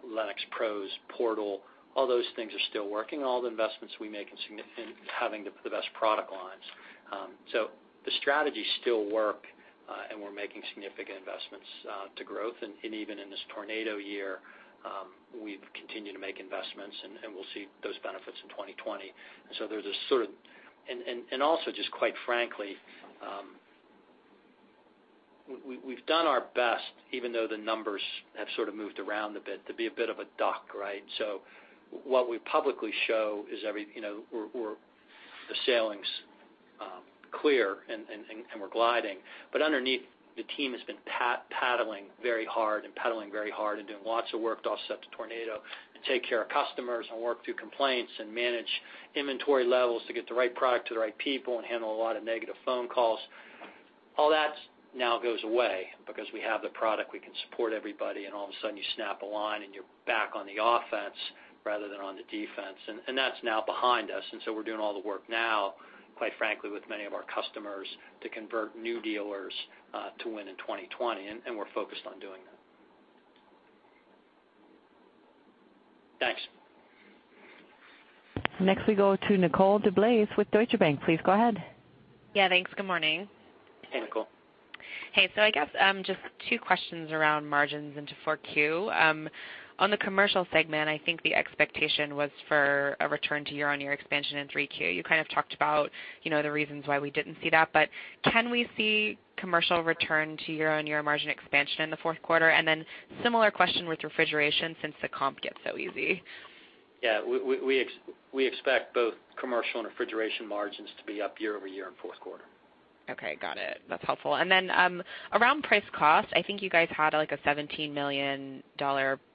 Lennox Pros portal, all those things are still working. All the investments we make in having the best product lines. The strategies still work. We're making significant investments to growth. Even in this tornado year, we've continued to make investments. We'll see those benefits in 2020. Also just quite frankly, we've done our best, even though the numbers have sort of moved around a bit to be a bit of a duck, right? What we publicly show is the sailing's clear and we're gliding. Underneath, the team has been paddling very hard and pedaling very hard and doing lots of work to offset the tornado and take care of customers and work through complaints and manage inventory levels to get the right product to the right people and handle a lot of negative phone calls. All that now goes away because we have the product, we can support everybody, and all of a sudden you snap a line and you're back on the offense rather than on the defense. That's now behind us. We're doing all the work now, quite frankly, with many of our customers to convert new dealers to win in 2020. We're focused on doing that. Thanks. Next we go to Nicole DeBlase with Deutsche Bank. Please go ahead. Yeah, thanks. Good morning. Hey, Nicole. Hey. I guess, just two questions around margins into 4Q. On the commercial segment, I think the expectation was for a return to year-on-year expansion in 3Q. You kind of talked about the reasons why we didn't see that, can we see commercial return to year-on-year margin expansion in the fourth quarter? Similar question with refrigeration since the comp gets so easy. Yeah. We expect both commercial and refrigeration margins to be up year-over-year in fourth quarter. Okay. Got it. That's helpful. Then, around price cost, I think you guys had a $17 million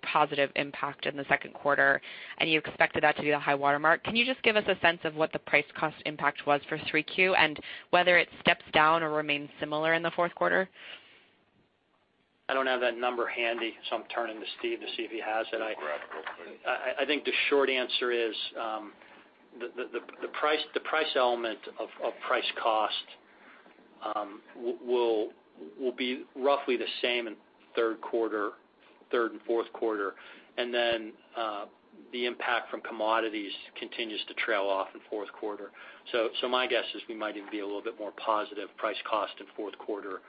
positive impact in the second quarter, and you expected that to be the high watermark. Can you just give us a sense of what the price cost impact was for 3Q and whether it steps down or remains similar in the fourth quarter? I don't have that number handy, so I'm turning to Steve to see if he has it. I'll grab it real quick. I think the short answer is, the price element of price cost will be roughly the same in third and fourth quarter. The impact from commodities continues to trail off in fourth quarter. My guess is we might even be a little bit more positive price cost in fourth quarter,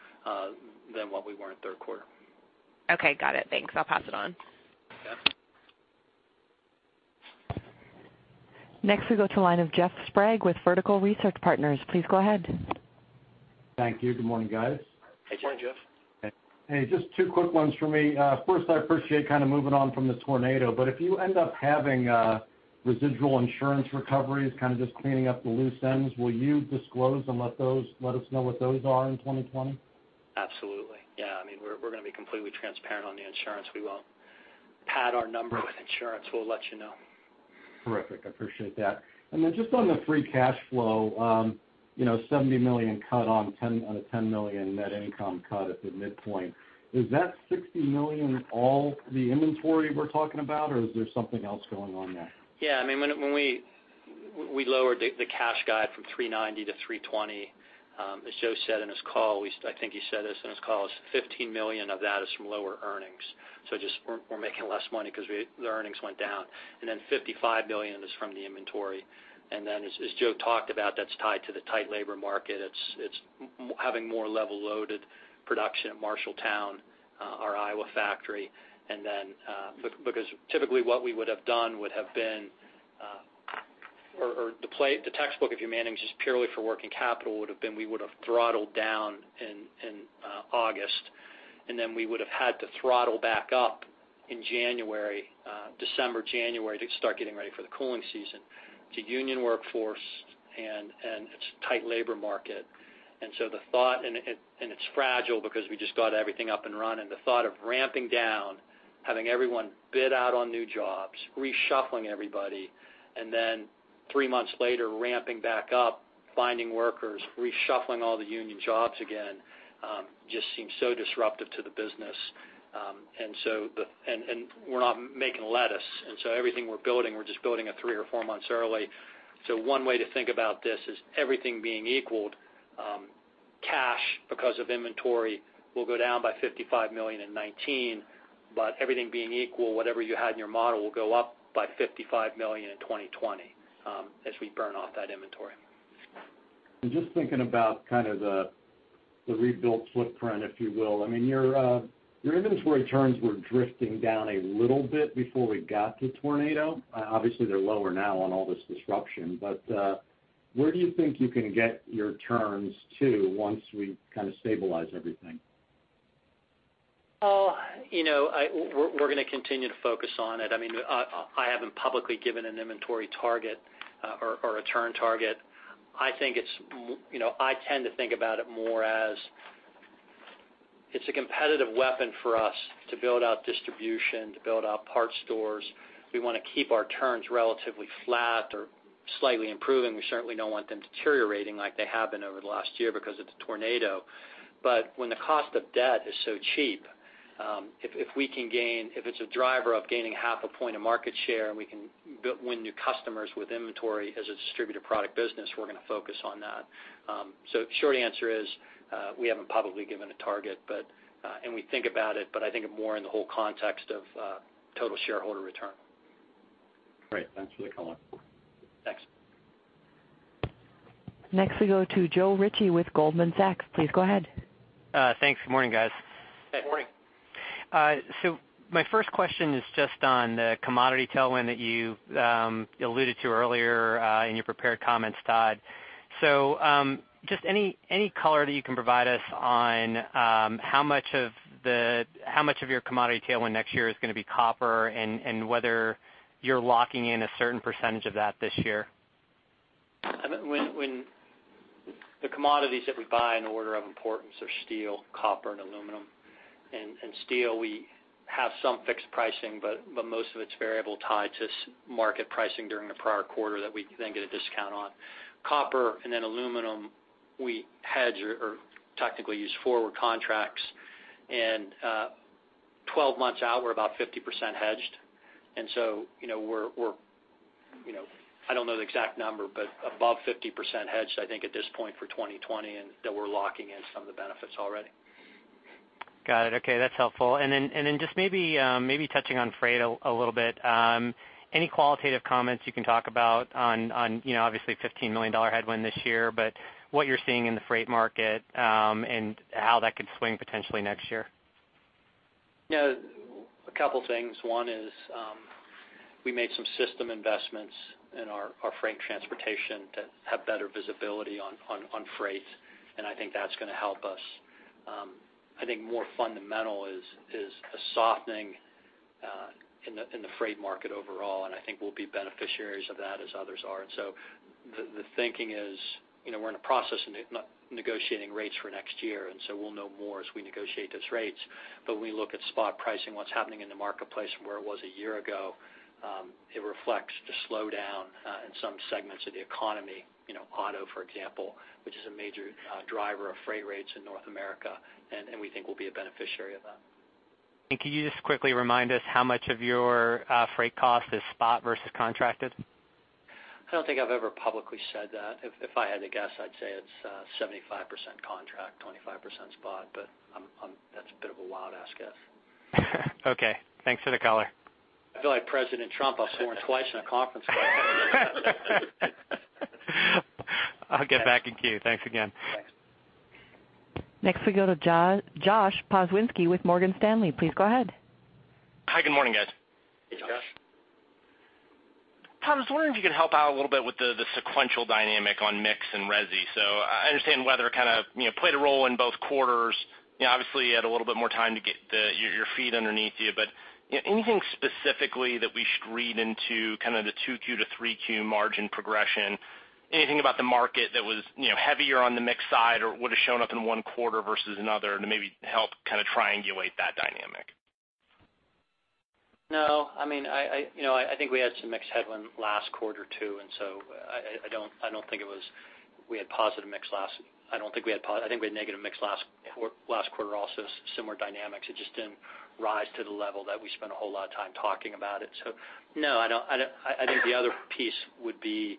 than what we were in third quarter. Okay, got it. Thanks. I'll pass it on. Yeah. Next we go to line of Jeff Sprague with Vertical Research Partners. Please go ahead. Thank you. Good morning, guys. Hey, Jeff. Hey, just two quick ones for me. First, I appreciate kind of moving on from the tornado, but if you end up having residual insurance recoveries, kind of just cleaning up the loose ends, will you disclose and let us know what those are in 2020? Absolutely. Yeah. We're going to be completely transparent on the insurance. We won't pad our number with insurance. We'll let you know. Terrific, I appreciate that. Then just on the free cash flow, $70 million cut on a $10 million net income cut at the midpoint. Is that $60 million all the inventory we're talking about or is there something else going on there? When we lowered the cash guide from 390 to 320, as Joe said in his call, I think he said this in his call, $15 million of that is from lower earnings. Just we're making less money because the earnings went down, and then $55 million is from the inventory. As Joe talked about, that's tied to the tight labor market. It's having more level-loaded production at Marshalltown, our Iowa factory. Because typically what we would have done would have been, or the textbook, if you manage this purely for working capital, would've been we would've throttled down in August, and then we would've had to throttle back up in December, January, to start getting ready for the cooling season. It's a union workforce, and it's a tight labor market. It's fragile because we just got everything up and running. The thought of ramping down, having everyone bid out on new jobs, reshuffling everybody, then three months later, ramping back up, finding workers, reshuffling all the union jobs again, just seems so disruptive to the business. We're not making lettuce, everything we're building, we're just building it three or four months early. One way to think about this is everything being equal, cash, because of inventory, will go down by $55 million in 2019, but everything being equal, whatever you had in your model will go up by $55 million in 2020 as we burn off that inventory. Just thinking about kind of the rebuilt footprint, if you will. Your inventory turns were drifting down a little bit before we got to tornado. Obviously, they're lower now on all this disruption, where do you think you can get your turns to once we kind of stabilize everything? We're going to continue to focus on it. I haven't publicly given an inventory target or a turn target. I tend to think about it more as it's a competitive weapon for us to build out distribution, to build out parts stores. We want to keep our turns relatively flat or slightly improving. We certainly don't want them deteriorating like they have been over the last year because of the tornado. When the cost of debt is so cheap, if it's a driver of gaining half a point of market share and we can win new customers with inventory as a distributor product business, we're going to focus on that. Short answer is, we haven't publicly given a target, and we think about it, but I think of more in the whole context of total shareholder return. Great. Thanks for the call. Thanks. Next we go to Joe Ritchie with Goldman Sachs. Please go ahead. Thanks. Good morning, guys. Hey. Good morning. My first question is just on the commodity tailwind that you alluded to earlier in your prepared comments, Todd. Just any color that you can provide us on how much of your commodity tailwind next year is going to be copper and whether you're locking in a certain percentage of that this year? The commodities that we buy in order of importance are steel, copper and aluminum. Steel, we have some fixed pricing, but most of it's variable tied to market pricing during the prior quarter that we then get a discount on. Copper and then aluminum, we hedge or technically use forward contracts. 12 months out, we're about 50% hedged. We're, I don't know the exact number, but above 50% hedged, I think, at this point for 2020, and that we're locking in some of the benefits already. Got it. Okay, that's helpful. Just maybe touching on freight a little bit, any qualitative comments you can talk about on, obviously $15 million headwind this year, but what you're seeing in the freight market, and how that could swing potentially next year? Yeah. A couple things. One is, we made some system investments in our freight transportation to have better visibility on freight, and I think that's going to help us. I think more fundamental is a softening in the freight market overall, and I think we'll be beneficiaries of that as others are. The thinking is, we're in a process of negotiating rates for next year, and so we'll know more as we negotiate those rates. When we look at spot pricing, what's happening in the marketplace from where it was a year ago, it reflects the slowdown in some segments of the economy. Auto, for example, which is a major driver of freight rates in North America, and we think we'll be a beneficiary of that. Can you just quickly remind us how much of your freight cost is spot versus contracted? I don't think I've ever publicly said that. If I had to guess, I'd say it's 75% contract, 25% spot, but that's a bit of a wild ass guess. Okay, thanks for the color. I feel like President Trump. I've sworn twice in a conference call. I'll get back in queue. Thanks again. Thanks. Next we go to Josh Pokrzywinski with Morgan Stanley. Please go ahead. Hi, good morning, guys. Hey, Josh. Todd, I was wondering if you could help out a little bit with the sequential dynamic on mix and resi. I understand weather kind of played a role in both quarters. Obviously, you had a little bit more time to get your feet underneath you, anything specifically that we should read into kind of the 2Q to 3Q margin progression? Anything about the market that was heavier on the mix side or would have shown up in one quarter versus another to maybe help kind of triangulate that dynamic? No. I think we had some mix headwind last quarter, too. I don't think we had positive mix. I think we had negative mix last quarter also, similar dynamics. It just didn't rise to the level that we spent a whole lot of time talking about it. No, I think the other piece would be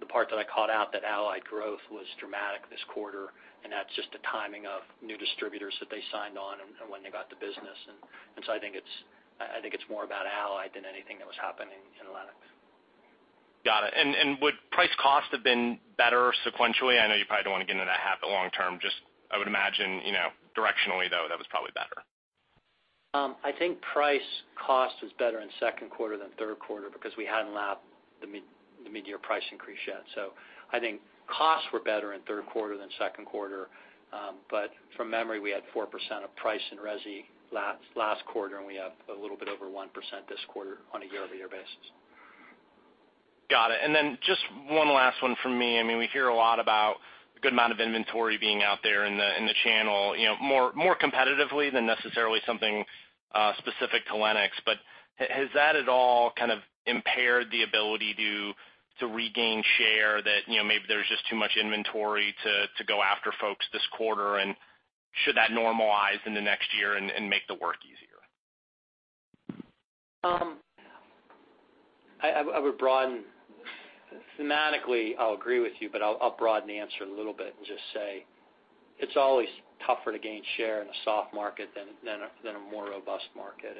the part that I called out, that Allied growth was dramatic this quarter, and that's just the timing of new distributors that they signed on and when they got the business. I think it's more about Allied than anything that was happening in Lennox. Got it. Would price cost have been better sequentially? I know you probably don't want to get into that habit long term. Just, I would imagine, directionally, though, that was probably better. I think price cost was better in second quarter than third quarter because we hadn't lapped the mid-year price increase yet. I think costs were better in third quarter than second quarter. From memory, we had 4% of price in resi last quarter, and we have a little bit over 1% this quarter on a year-over-year basis. Got it. Just one last one from me. We hear a lot about a good amount of inventory being out there in the channel, more competitively than necessarily something specific to Lennox. Has that at all kind of impaired the ability to regain share that, maybe there's just too much inventory to go after folks this quarter, and should that normalize in the next year and make the work easier? Thematically, I'll agree with you, but I'll broaden the answer a little bit and just say it's always tougher to gain share in a soft market than a more robust market.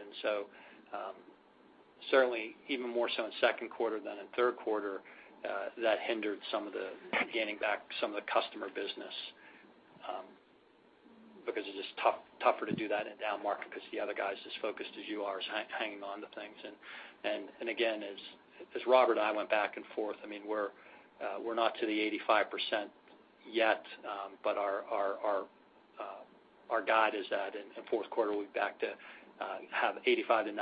Certainly even more so in second quarter than in third quarter, that hindered some of the gaining back some of the customer business, because it's just tougher to do that in a down market because the other guy's as focused as you are hanging on to things. Again, as Robert and I went back and forth, we're not to the 85% yet. Our guide is that in fourth quarter, we'll be back to have 85%-90%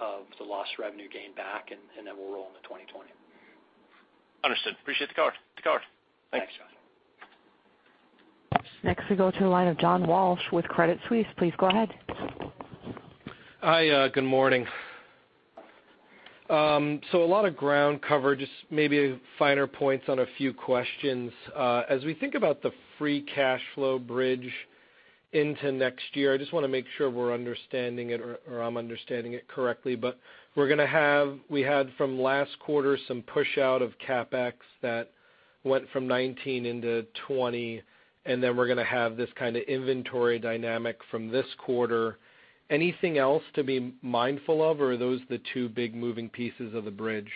of the lost revenue gained back, and then we'll roll into 2020. Understood. Appreciate the color. Thanks. Thanks, Josh. Next we go to the line of John Walsh with Credit Suisse. Please go ahead. Hi, good morning. A lot of ground covered, just maybe finer points on a few questions. As we think about the free cash flow bridge into next year, I just want to make sure we're understanding it or I'm understanding it correctly. We had from last quarter some push out of CapEx that went from 2019 into 2020, and then we're going to have this kind of inventory dynamic from this quarter. Anything else to be mindful of, or are those the two big moving pieces of the bridge?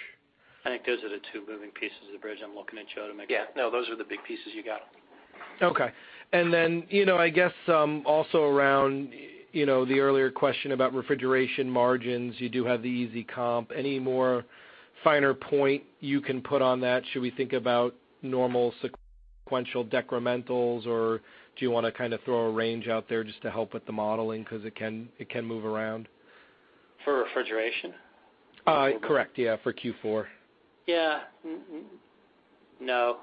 I think those are the two moving pieces of the bridge. I'm looking at Joe. Yeah. No, those are the big pieces you got. Okay. I guess also around the earlier question about refrigeration margins, you do have the easy comp. Any more finer point you can put on that? Should we think about normal sequential decrementals, or do you want to kind of throw a range out there just to help with the modeling because it can move around? For refrigeration? Correct. Yeah, for Q4. Yeah. No.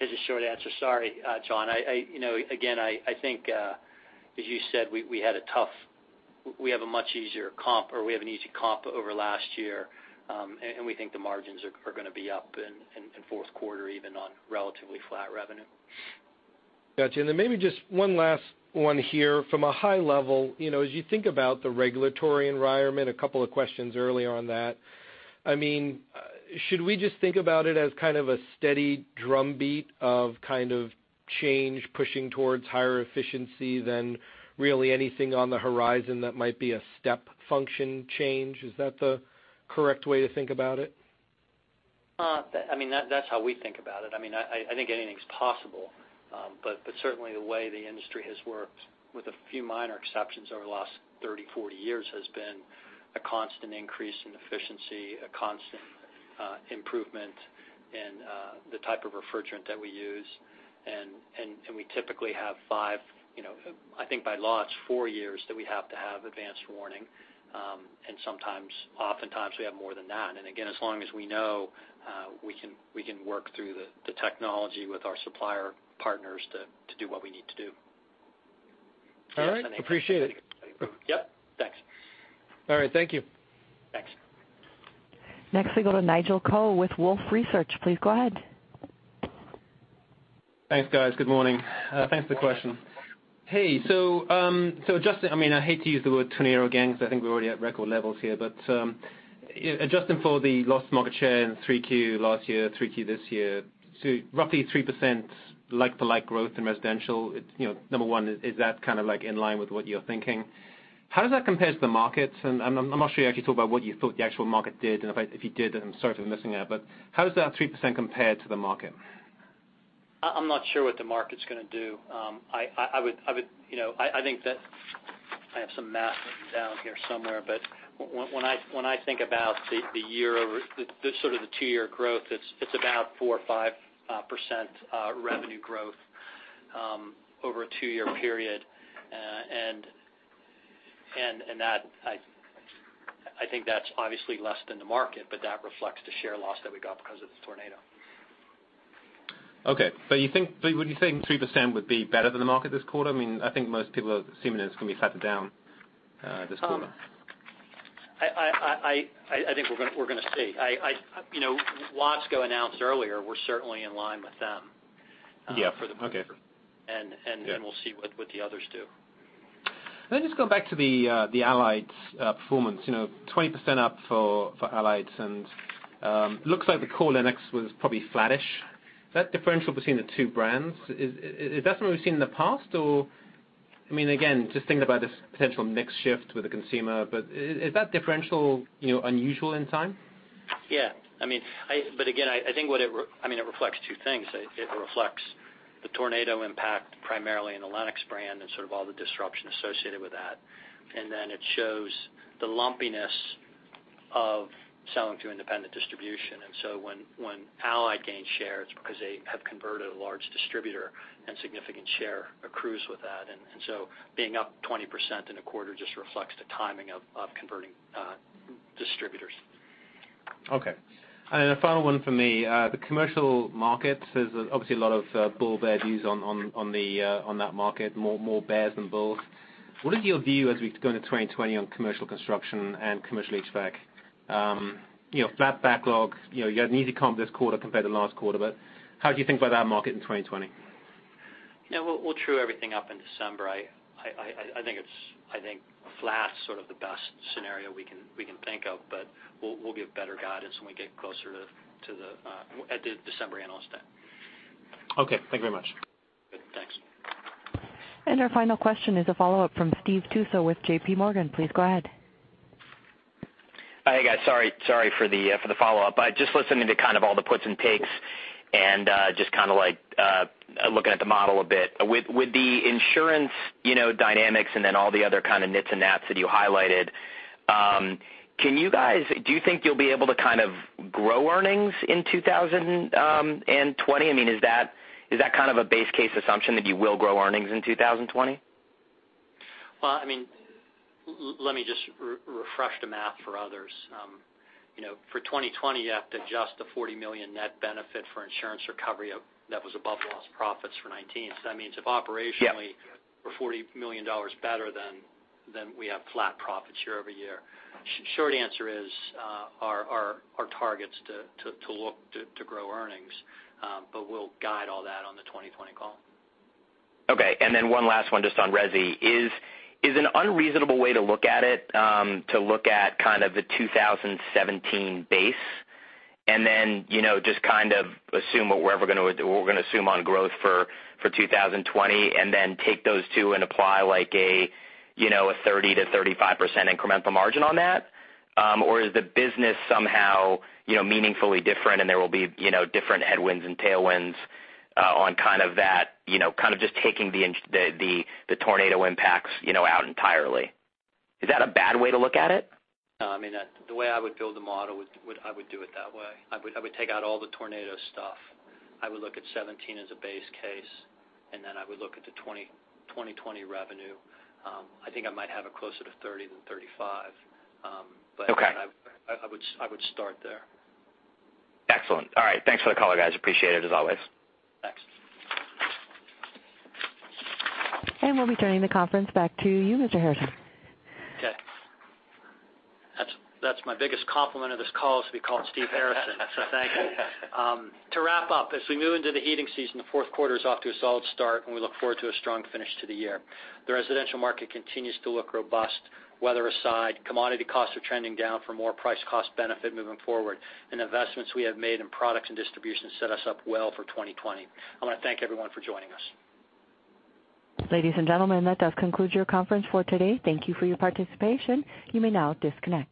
Is the short answer. Sorry, John. Again, I think as you said, we have a much easier comp, or we have an easy comp over last year. We think the margins are going to be up in fourth quarter, even on relatively flat revenue. Got you. Maybe just one last one here. From a high level, as you think about the regulatory environment, a couple of questions earlier on that. Should we just think about it as kind of a steady drumbeat of kind of change, pushing towards higher efficiency than really anything on the horizon that might be a step function change? Is that the correct way to think about it? That's how we think about it. I think anything's possible. Certainly the way the industry has worked, with a few minor exceptions over the last 30, 40 years, has been a constant increase in efficiency, a constant improvement in the type of refrigerant that we use. We typically have five, I think by law it's four years that we have to have advanced warning. Sometimes, oftentimes, we have more than that. Again, as long as we know, we can work through the technology with our supplier partners to do what we need to do. All right. Appreciate it. Yep. Thanks. All right. Thank you. Thanks. Next we go to Nigel Coe with Wolfe Research. Please go ahead. Thanks, guys. Good morning. Thanks for the question. Adjusting, I hate to use the word tornado again, because I think we're already at record levels here. Adjusting for the lost market share in 3Q last year, 3Q this year to roughly 3% like-to-like growth in residential, number one, is that kind of like in line with what you're thinking? How does that compare to the market? I'm not sure you actually talked about what you thought the actual market did, and if you did, then I'm sorry for missing it. How does that 3% compare to the market? I'm not sure what the market's going to do. I have some math written down here somewhere, but when I think about the two-year growth, it's about 4% or 5% revenue growth over a two-year period. I think that's obviously less than the market, but that reflects the share loss that we got because of the tornado. Okay, would you think 3% would be better than the market this quarter? I think most people are assuming it's going to be slightly down this quarter. I think we're going to see. Watsco announced earlier, we're certainly in line with them- Yeah, okay. for the quarter. Then we'll see what the others do. Let me just go back to the Allied's performance. 20% up for Allied, and looks like the core Lennox was probably flattish. That differential between the two brands, is that something we've seen in the past or, again, just thinking about this potential mix shift with the consumer, but is that differential unusual in time? Yeah. It reflects two things. It reflects the tornado impact primarily in the Lennox brand and all the disruption associated with that. It shows the lumpiness of selling to independent distribution. When Allied gains share, it's because they have converted a large distributor and significant share accrues with that. Being up 20% in a quarter just reflects the timing of converting distributors. Okay. A final one from me. The commercial market, there's obviously a lot of bull/bear views on that market, more bears than bulls. What is your view as we go into 2020 on commercial construction and commercial HVAC? Flat backlog. You had an easy comp this quarter compared to last quarter, how do you think about that market in 2020? We'll true everything up in December. I think flat is the best scenario we can think of, but we'll give better guidance when we get closer at the December analyst time. Okay, thank you very much. Good. Thanks. Our final question is a follow-up from Steve Tusa with J.P. Morgan. Please go ahead. Hey, guys. Sorry for the follow-up. Just listening to kind of all the puts and takes and just looking at the model a bit. With the insurance dynamics and then all the other kind of knits and gnats that you highlighted, do you think you'll be able to grow earnings in 2020? Is that kind of a base case assumption that you will grow earnings in 2020? Let me just refresh the math for others. For 2020, you have to adjust the $40 million net benefit for insurance recovery that was above lost profits for 2019. That means if operationally we're $40 million better, then we have flat profits year-over-year. Short answer is, our target's to look to grow earnings, but we'll guide all that on the 2020 call. Okay, one last one just on resi. Is an unreasonable way to look at it to look at kind of the 2017 base just kind of assume what we're going to assume on growth for 2020, take those two and apply a 30%-35% incremental margin on that? Is the business somehow meaningfully different and there will be different headwinds and tailwinds on that, just taking the tornado impacts out entirely? Is that a bad way to look at it? The way I would build the model, I would do it that way. I would take out all the tornado stuff. I would look at 2017 as a base case. I would look at the 2020 revenue. I think I might have it closer to 30 than 35. Okay. I would start there. Excellent. All right. Thanks for the color, guys. Appreciate it as always. Thanks. We'll be turning the conference back to you, Mr. Harrison. Okay. That's my biggest compliment of this call is to be called Steve Harrison, so thank you. To wrap up, as we move into the heating season, the fourth quarter is off to a solid start, and we look forward to a strong finish to the year. The residential market continues to look robust, weather aside. Commodity costs are trending down for more price-cost benefit moving forward, and investments we have made in products and distribution set us up well for 2020. I want to thank everyone for joining us. Ladies and gentlemen, that does conclude your conference for today. Thank you for your participation. You may now disconnect.